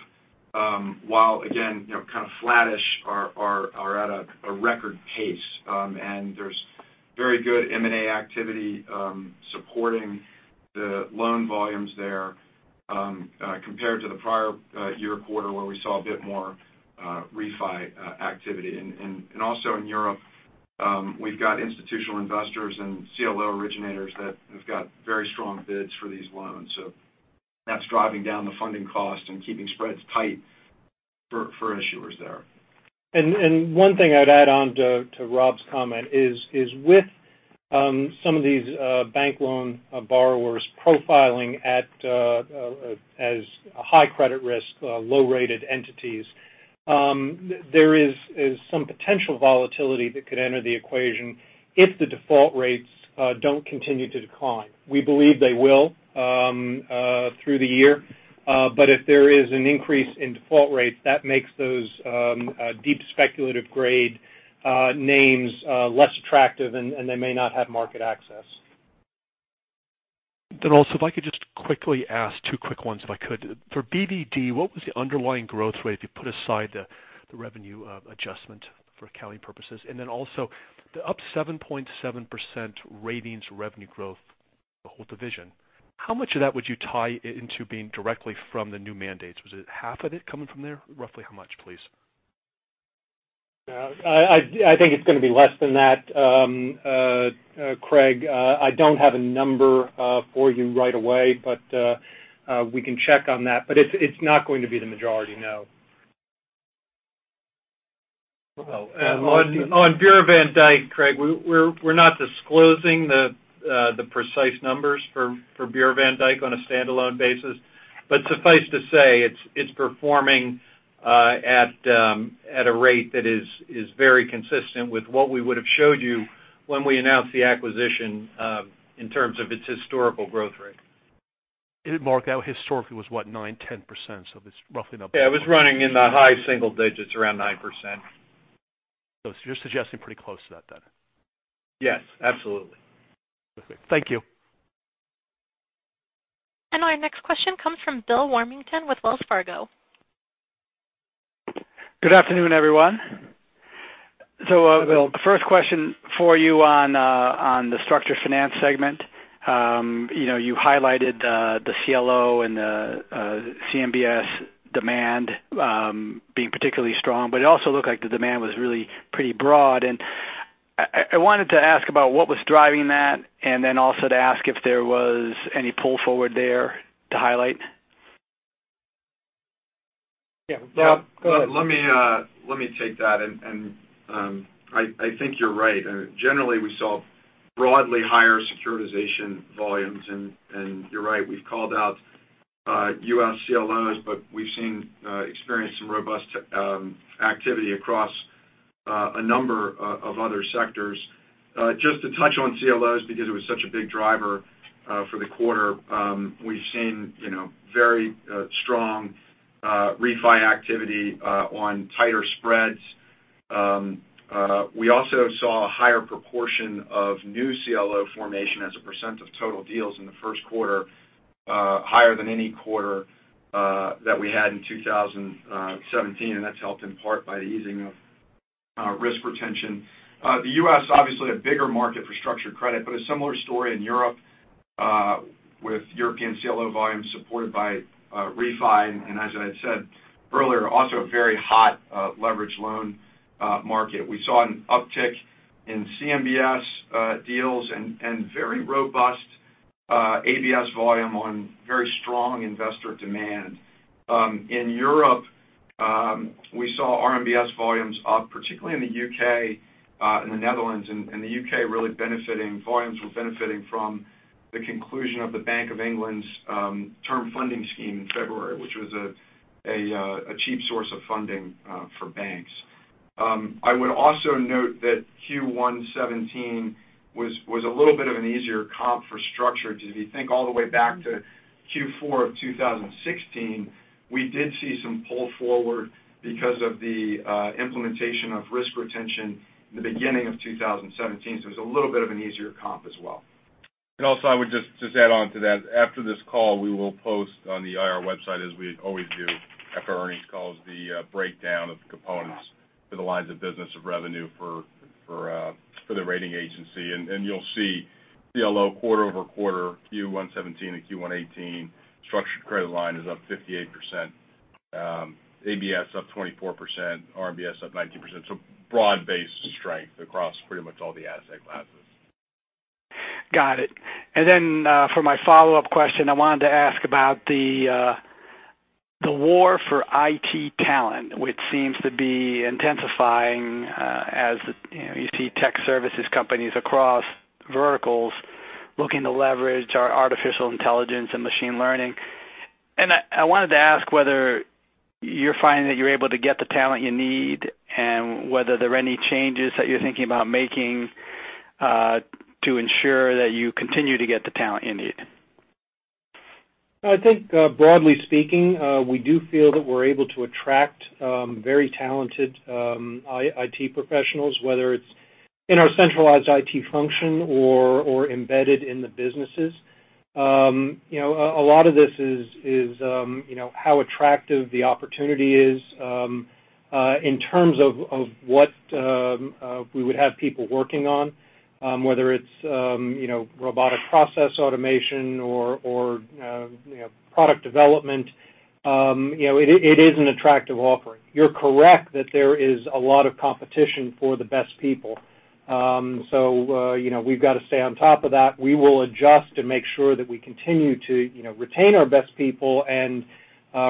while again, kind of flattish, are at a record pace. There's very good M&A activity supporting the loan volumes there compared to the prior year quarter where we saw a bit more refi activity. Also in Europe, we've got institutional investors and CLO originators that have got very strong bids for these loans. That's driving down the funding cost and keeping spreads tight for issuers there. One thing I'd add on to Rob's comment is with some of these bank loan borrowers profiling as a high credit risk, low-rated entities. There is some potential volatility that could enter the equation if the default rates don't continue to decline. We believe they will through the year. If there is an increase in default rates, that makes those deep speculative grade names less attractive, and they may not have market access. Also, if I could just quickly ask two quick ones if I could. For BvD, what was the underlying growth rate if you put aside the revenue adjustment for accounting purposes? Also the up 7.7% ratings revenue growth, the whole division. How much of that would you tie into being directly from the new mandates? Was it half of it coming from there? Roughly how much, please? I think it's going to be less than that, Craig. I don't have a number for you right away. We can check on that. It's not going to be the majority, no. On Bureau van Dijk, Craig, we're not disclosing the precise numbers for Bureau van Dijk on a standalone basis. Suffice to say, it's performing at a rate that is very consistent with what we would have showed you when we announced the acquisition in terms of its historical growth rate. Mark, that historically was what? nine percent, 10%? Yeah, it was running in the high single digits, around nine percent. You're suggesting pretty close to that then. Yes, absolutely. Perfect. Thank you. Our next question comes from Bill Warmington with Wells Fargo. Good afternoon, everyone. Good afternoon. Bill, first question for you on the structured finance segment. You highlighted the CLO and the CMBS demand being particularly strong, but it also looked like the demand was really pretty broad. I wanted to ask about what was driving that, and then also to ask if there was any pull forward there to highlight. Yeah. Go ahead. Let me take that. I think you're right. Generally, we saw broadly higher securitization volumes. You're right, we've called out U.S. CLOs, but we've seen experienced and robust activity across a number of other sectors. Just to touch on CLOs because it was such a big driver for the quarter, we've seen very strong refi activity on tighter spreads. We also saw a higher proportion of new CLO formation as a percent of total deals in the first quarter, higher than any quarter that we had in 2017, and that's helped in part by the easing of risk retention. The U.S. obviously a bigger market for structured credit, but a similar story in Europe with European CLO volume supported by refi. As I said earlier, also a very hot leverage loan market. We saw an uptick in CMBS deals and very robust ABS volume on very strong investor demand. In Europe, we saw RMBS volumes up, particularly in the U.K. and the Netherlands. In the U.K., volumes were benefiting from the conclusion of the Bank of England's term funding scheme in February, which was a cheap source of funding for banks. I would also note that Q1 2017 was a little bit of an easier comp for structured. If you think all the way back to Q4 of 2016, we did see some pull forward because of the implementation of risk retention in the beginning of 2017. It was a little bit of an easier comp as well. I would just add on to that. After this call, we will post on the IR website, as we always do after earnings calls, the breakdown of components for the lines of business of revenue for the rating agency. You'll see CLO quarter-over-quarter Q1 '17 and Q1 '18 structured credit line is up 58%, ABS up 24%, RMBS up 19%. Broad-based strength across pretty much all the asset classes. Got it. For my follow-up question, I wanted to ask about the war for IT talent, which seems to be intensifying as you see tech services companies across verticals looking to leverage our artificial intelligence and machine learning. I wanted to ask whether you're finding that you're able to get the talent you need, and whether there are any changes that you're thinking about making to ensure that you continue to get the talent you need. I think broadly speaking, we do feel that we're able to attract very talented IT professionals, whether it's in our centralized IT function or embedded in the businesses. A lot of this is how attractive the opportunity is in terms of what we would have people working on. Whether it's robotic process automation or product development. It is an attractive offering. You're correct that there is a lot of competition for the best people. We've got to stay on top of that. We will adjust and make sure that we continue to retain our best people and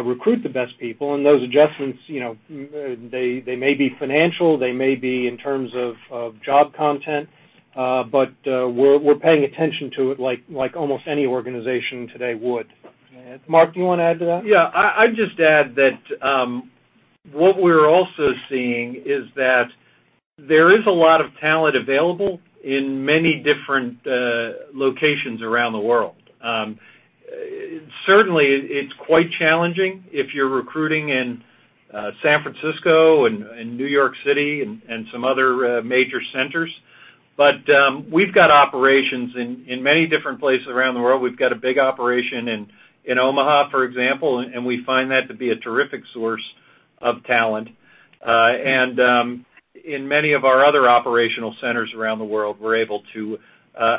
recruit the best people. Those adjustments, they may be financial, they may be in terms of job content. We're paying attention to it like almost any organization today would. Mark, do you want to add to that? I'd just add that what we're also seeing is that there is a lot of talent available in many different locations around the world. Certainly, it's quite challenging if you're recruiting in San Francisco and New York City and some other major centers. We've got operations in many different places around the world. We've got a big operation in Omaha, for example, and we find that to be a terrific source of talent. In many of our other operational centers around the world, we're able to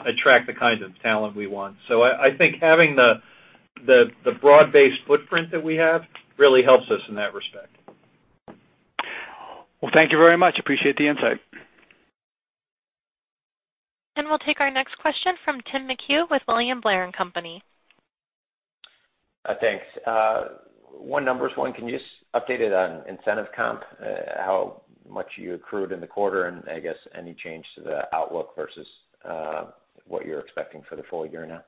attract the kind of talent we want. I think having the broad-based footprint that we have really helps us in that respect. Thank you very much. Appreciate the insight. We'll take our next question from Tim McHugh with William Blair & Company. Thanks. One, can you update it on incentive comp, how much you accrued in the quarter, and I guess any change to the outlook versus what you're expecting for the full year now?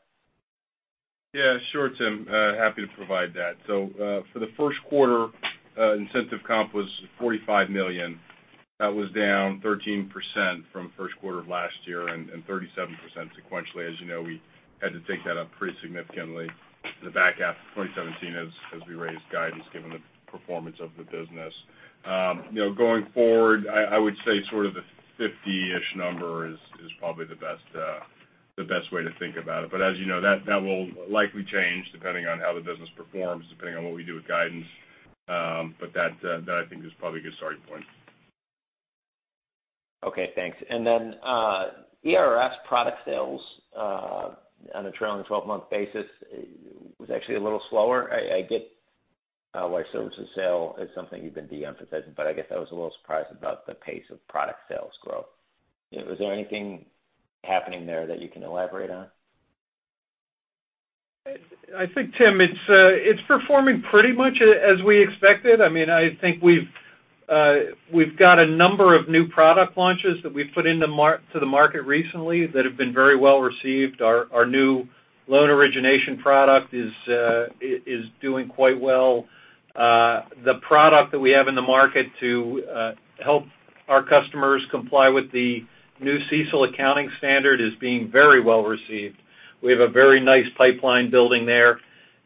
Sure, Tim. Happy to provide that. For the first quarter, incentive comp was $45 million. That was down 13% from first quarter of last year and 37% sequentially. As you know, we had to take that up pretty significantly in the back half of 2017 as we raised guidance given the performance of the business. Going forward, I would say sort of the 50-ish number is probably the best way to think about it. As you know, that will likely change depending on how the business performs, depending on what we do with guidance. That I think is probably a good starting point. Okay, thanks. ERS product sales on a trailing 12-month basis was actually a little slower. Our services sales is something you've been de-emphasizing, but I guess I was a little surprised about the pace of product sales growth. Is there anything happening there that you can elaborate on? I think, Tim, it's performing pretty much as we expected. I think we've got a number of new product launches that we've put into the market recently that have been very well-received. Our new loan origination product is doing quite well. The product that we have in the market to help our customers comply with the new CECL accounting standard is being very well-received. We have a very nice pipeline building there.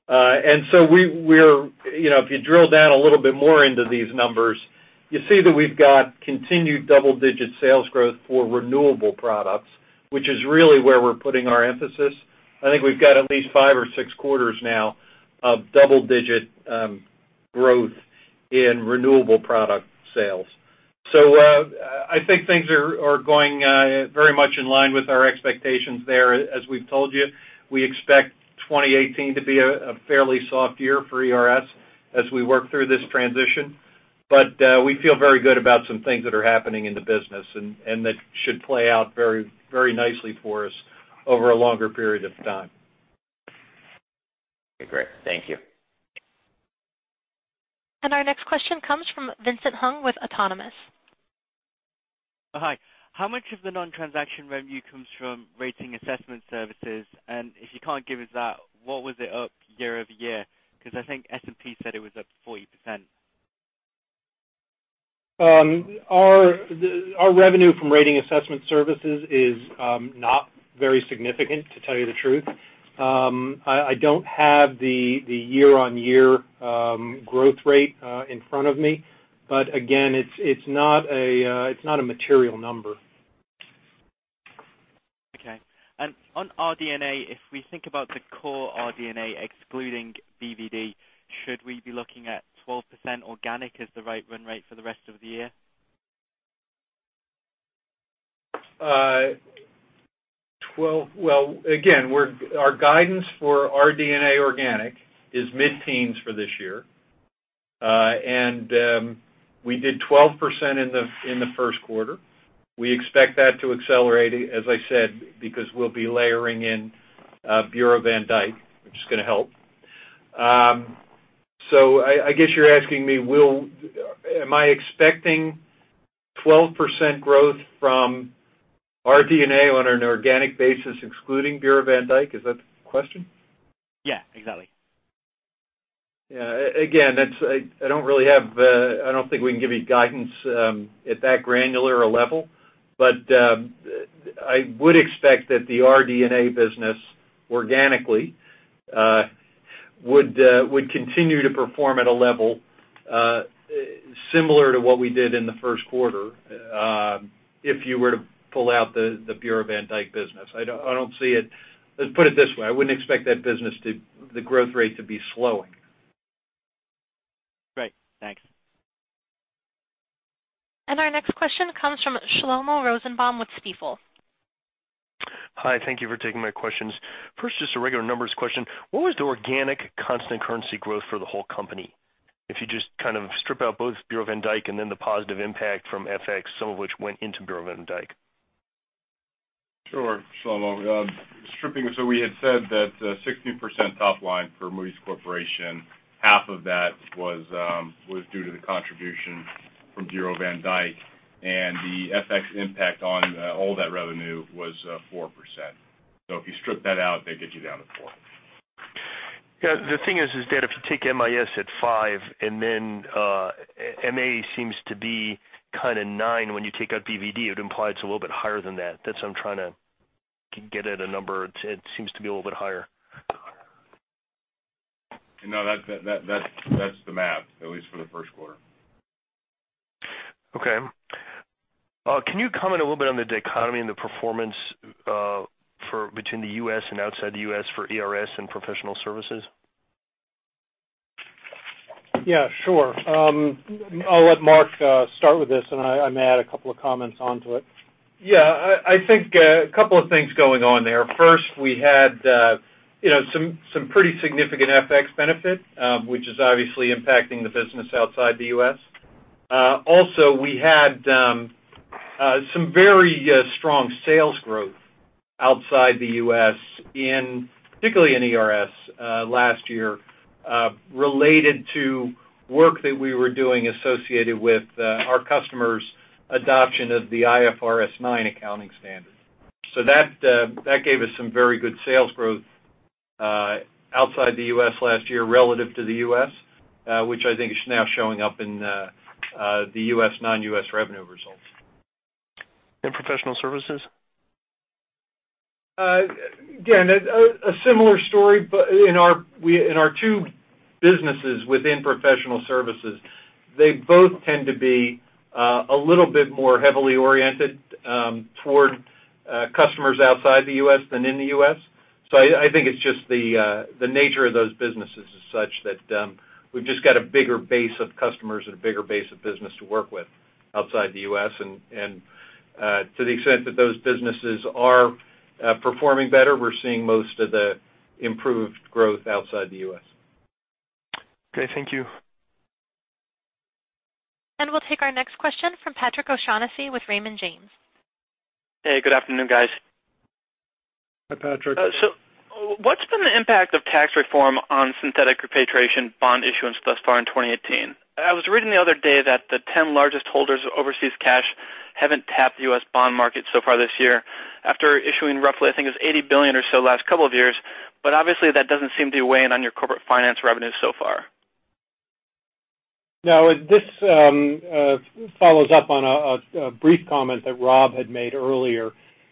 If you drill down a little bit more into these numbers, you see that we've got continued double-digit sales growth for renewable products, which is really where we're putting our emphasis. I think we've got at least five or six quarters now of double-digit growth in renewable product sales. I think things are going very much in line with our expectations there. As we've told you, we expect 2018 to be a fairly soft year for ERS as we work through this transition. We feel very good about some things that are happening in the business, and that should play out very nicely for us over a longer period of time. Okay, great. Thank you. Our next question comes from Vincent Hung with Autonomous. Hi. How much of the non-transaction revenue comes from rating assessment services? If you can't give us that, what was it up year-over-year? Because I think S&P said it was up 40%. Our revenue from rating assessment services is not very significant, to tell you the truth. I don't have the year-on-year growth rate in front of me. Again, it's not a material number. Okay. On RD&A, if we think about the core RD&A excluding BvD, should we be looking at 12% organic as the right run rate for the rest of the year? Again, our guidance for RD&A organic is mid-teens for this year. We did 12% in the first quarter. We expect that to accelerate, as I said, because we'll be layering in Bureau van Dijk, which is going to help. I guess you're asking me, am I expecting 12% growth from RD&A on an organic basis excluding Bureau van Dijk? Is that the question? Yeah, exactly. Again, I don't think we can give you guidance at that granular a level. I would expect that the RD&A business organically would continue to perform at a level similar to what we did in the first quarter if you were to pull out the Bureau van Dijk business. Let's put it this way, I wouldn't expect the growth rate to be slowing. Great. Thanks. Our next question comes from Shlomo Rosenbaum with Stifel. Hi. Thank you for taking my questions. First, just a regular numbers question. What was the organic constant currency growth for the whole company? If you just kind of strip out both Bureau van Dijk and then the positive impact from FX, some of which went into Bureau van Dijk. Sure, Shlomo. We had said that 16% top line for Moody's Corporation, half of that was due to the contribution from Bureau van Dijk, and the FX impact on all that revenue was 4%. If you strip that out, that gets you down to 4%. Yeah. The thing is that if you take MIS at 5%, and then MA seems to be kind of 9% when you take out BvD, it implies it's a little bit higher than that. That's why I'm trying to get at a number. It seems to be a little bit higher. That's the math, at least for the first quarter. Can you comment a little bit on the dichotomy and the performance between the U.S. and outside the U.S. for ERS and professional services? Sure. I'll let Mark start with this, and I may add a couple of comments onto it. I think a couple of things going on there. First, we had some pretty significant FX benefit, which is obviously impacting the business outside the U.S. Also, we had some very strong sales growth outside the U.S., particularly in ERS last year, related to work that we were doing associated with our customers' adoption of the IFRS 9 accounting standard. That gave us some very good sales growth outside the U.S. last year relative to the U.S., which I think is now showing up in the U.S., non-U.S. revenue results. Professional services? A similar story. In our two businesses within professional services, they both tend to be a little bit more heavily oriented toward customers outside the U.S. than in the U.S. I think it's just the nature of those businesses is such that we've just got a bigger base of customers and a bigger base of business to work with outside the U.S. To the extent that those businesses are performing better, we're seeing most of the improved growth outside the U.S. Thank you. We'll take our next question from Patrick O'Shaughnessy with Raymond James. Hey, good afternoon, guys. Hi, Patrick. What's been the impact of tax reform on synthetic repatriation bond issuance thus far in 2018? I was reading the other day that the 10 largest holders of overseas cash haven't tapped the U.S. bond market so far this year after issuing roughly, I think it was $80 billion or so the last couple of years, but obviously that doesn't seem to be weighing on your corporate finance revenues so far. No. This follows up on a brief comment that Rob had made earlier,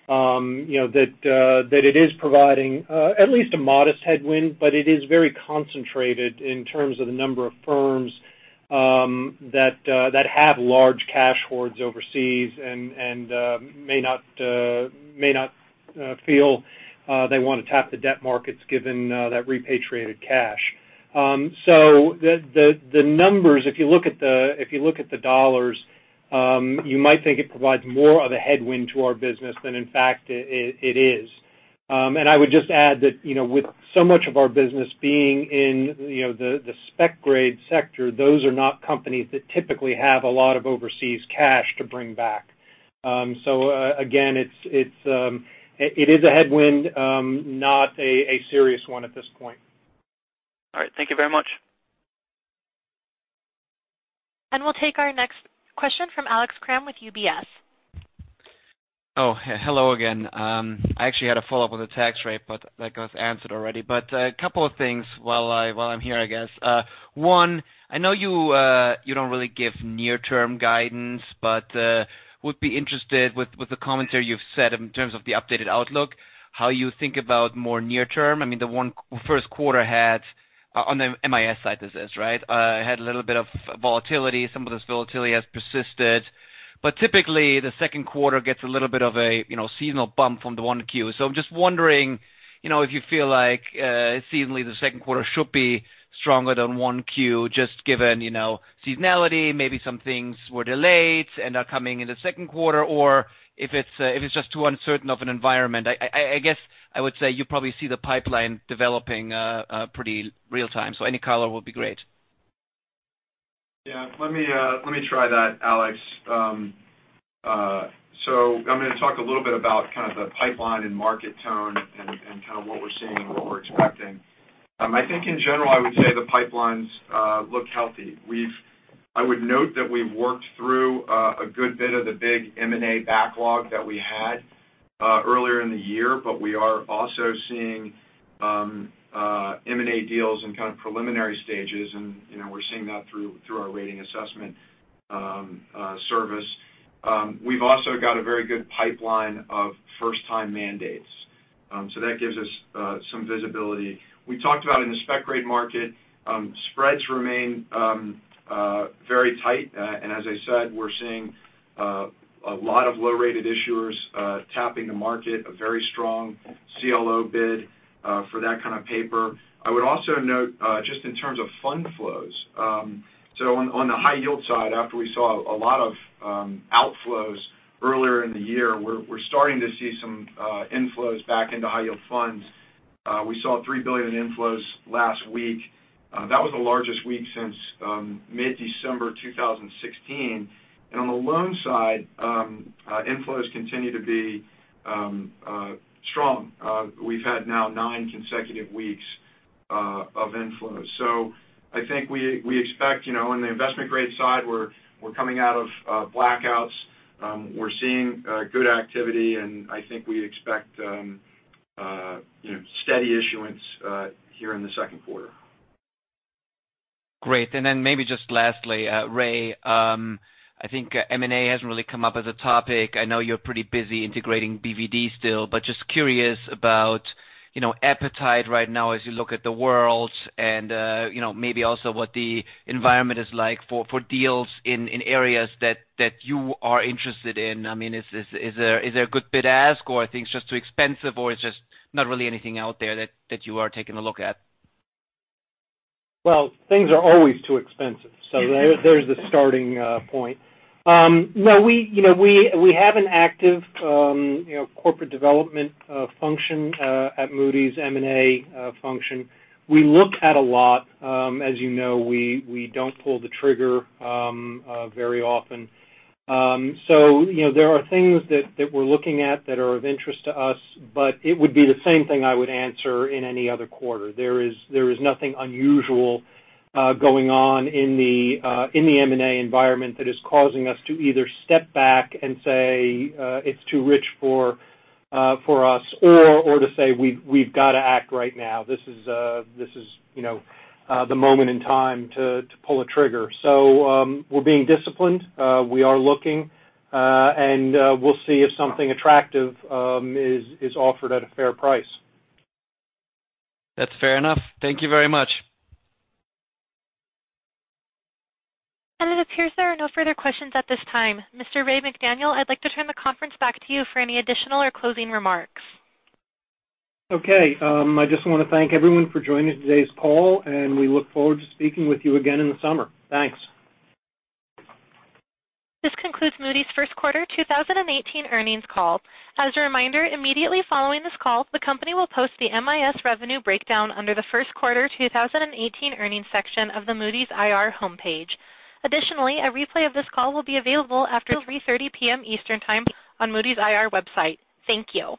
that it is providing at least a modest headwind, it is very concentrated in terms of the number of firms that have large cash hoards overseas and may not feel they want to tap the debt markets given that repatriated cash. The numbers, if you look at the $, you might think it provides more of a headwind to our business than in fact it is. I would just add that with so much of our business being in the spec-grade sector, those are not companies that typically have a lot of overseas cash to bring back. Again it is a headwind, not a serious one at this point. All right. Thank you very much. We'll take our next question from Alex Kramm with UBS. Hello again. I actually had a follow-up on the tax rate, that got answered already. A couple of things while I'm here, I guess. One, I know you don't really give near-term guidance, would be interested with the commentary you've said in terms of the updated outlook, how you think about more near term. I mean, the first quarter had, on the MIS side this is, right? Had a little bit of volatility. Some of this volatility has persisted. Typically, the second quarter gets a little bit of a seasonal bump from the 1Q. I'm just wondering if you feel like seasonally the second quarter should be stronger than 1Q just given seasonality, maybe some things were delayed and are coming in the second quarter, or if it's just too uncertain of an environment. I guess I would say you probably see the pipeline developing pretty real time. Any color will be great. Yeah. Let me try that, Alex. I'm going to talk a little bit about kind of the pipeline and market tone and kind of what we're seeing and what we're expecting. I think in general, I would say the pipelines look healthy. I would note that we've worked through a good bit of the big M&A backlog that we had earlier in the year, but we are also seeing M&A deals in kind of preliminary stages and we're seeing that through our rating assessment service. We've also got a very good pipeline of first time mandates. That gives us some visibility. We talked about in the spec-grade market, spreads remain very tight, and as I said, we're seeing a lot of low-rated issuers tapping the market, a very strong CLO bid for that kind of paper. I would also note, just in terms of fund flows, so on the high yield side, after we saw a lot of outflows earlier in the year, we're starting to see some inflows back into high yield funds. We saw $3 billion in inflows last week. That was the largest week since mid-December 2016. On the loan side, inflows continue to be strong. We've had now nine consecutive weeks of inflows. I think we expect on the investment-grade side, we're coming out of blackouts. We're seeing good activity, and I think we expect steady issuance here in the second quarter. Great. Then maybe just lastly, Ray, I think M&A hasn't really come up as a topic. I know you're pretty busy integrating BvD still, but just curious about appetite right now as you look at the world and maybe also what the environment is like for deals in areas that you are interested in. Is there a good bid-ask, or are things just too expensive, or is just not really anything out there that you are taking a look at? Well, things are always too expensive. There's the starting point. We have an active corporate development function at Moody's M&A function. We look at a lot. As you know, we don't pull the trigger very often. There are things that we're looking at that are of interest to us, but it would be the same thing I would answer in any other quarter. There is nothing unusual going on in the M&A environment that is causing us to either step back and say, "It's too rich for us," or to say, "We've got to act right now. This is the moment in time to pull a trigger." We're being disciplined. We are looking. We'll see if something attractive is offered at a fair price. That's fair enough. Thank you very much. It appears there are no further questions at this time. Mr. Ray McDaniel, I'd like to turn the conference back to you for any additional or closing remarks. Okay. I just want to thank everyone for joining today's call, and we look forward to speaking with you again in the summer. Thanks. This concludes Moody's first quarter 2018 earnings call. As a reminder, immediately following this call, the company will post the MIS revenue breakdown under the first quarter 2018 earnings section of the Moody's IR homepage. Additionally, a replay of this call will be available after 3:30 P.M. Eastern Time on Moody's IR website. Thank you.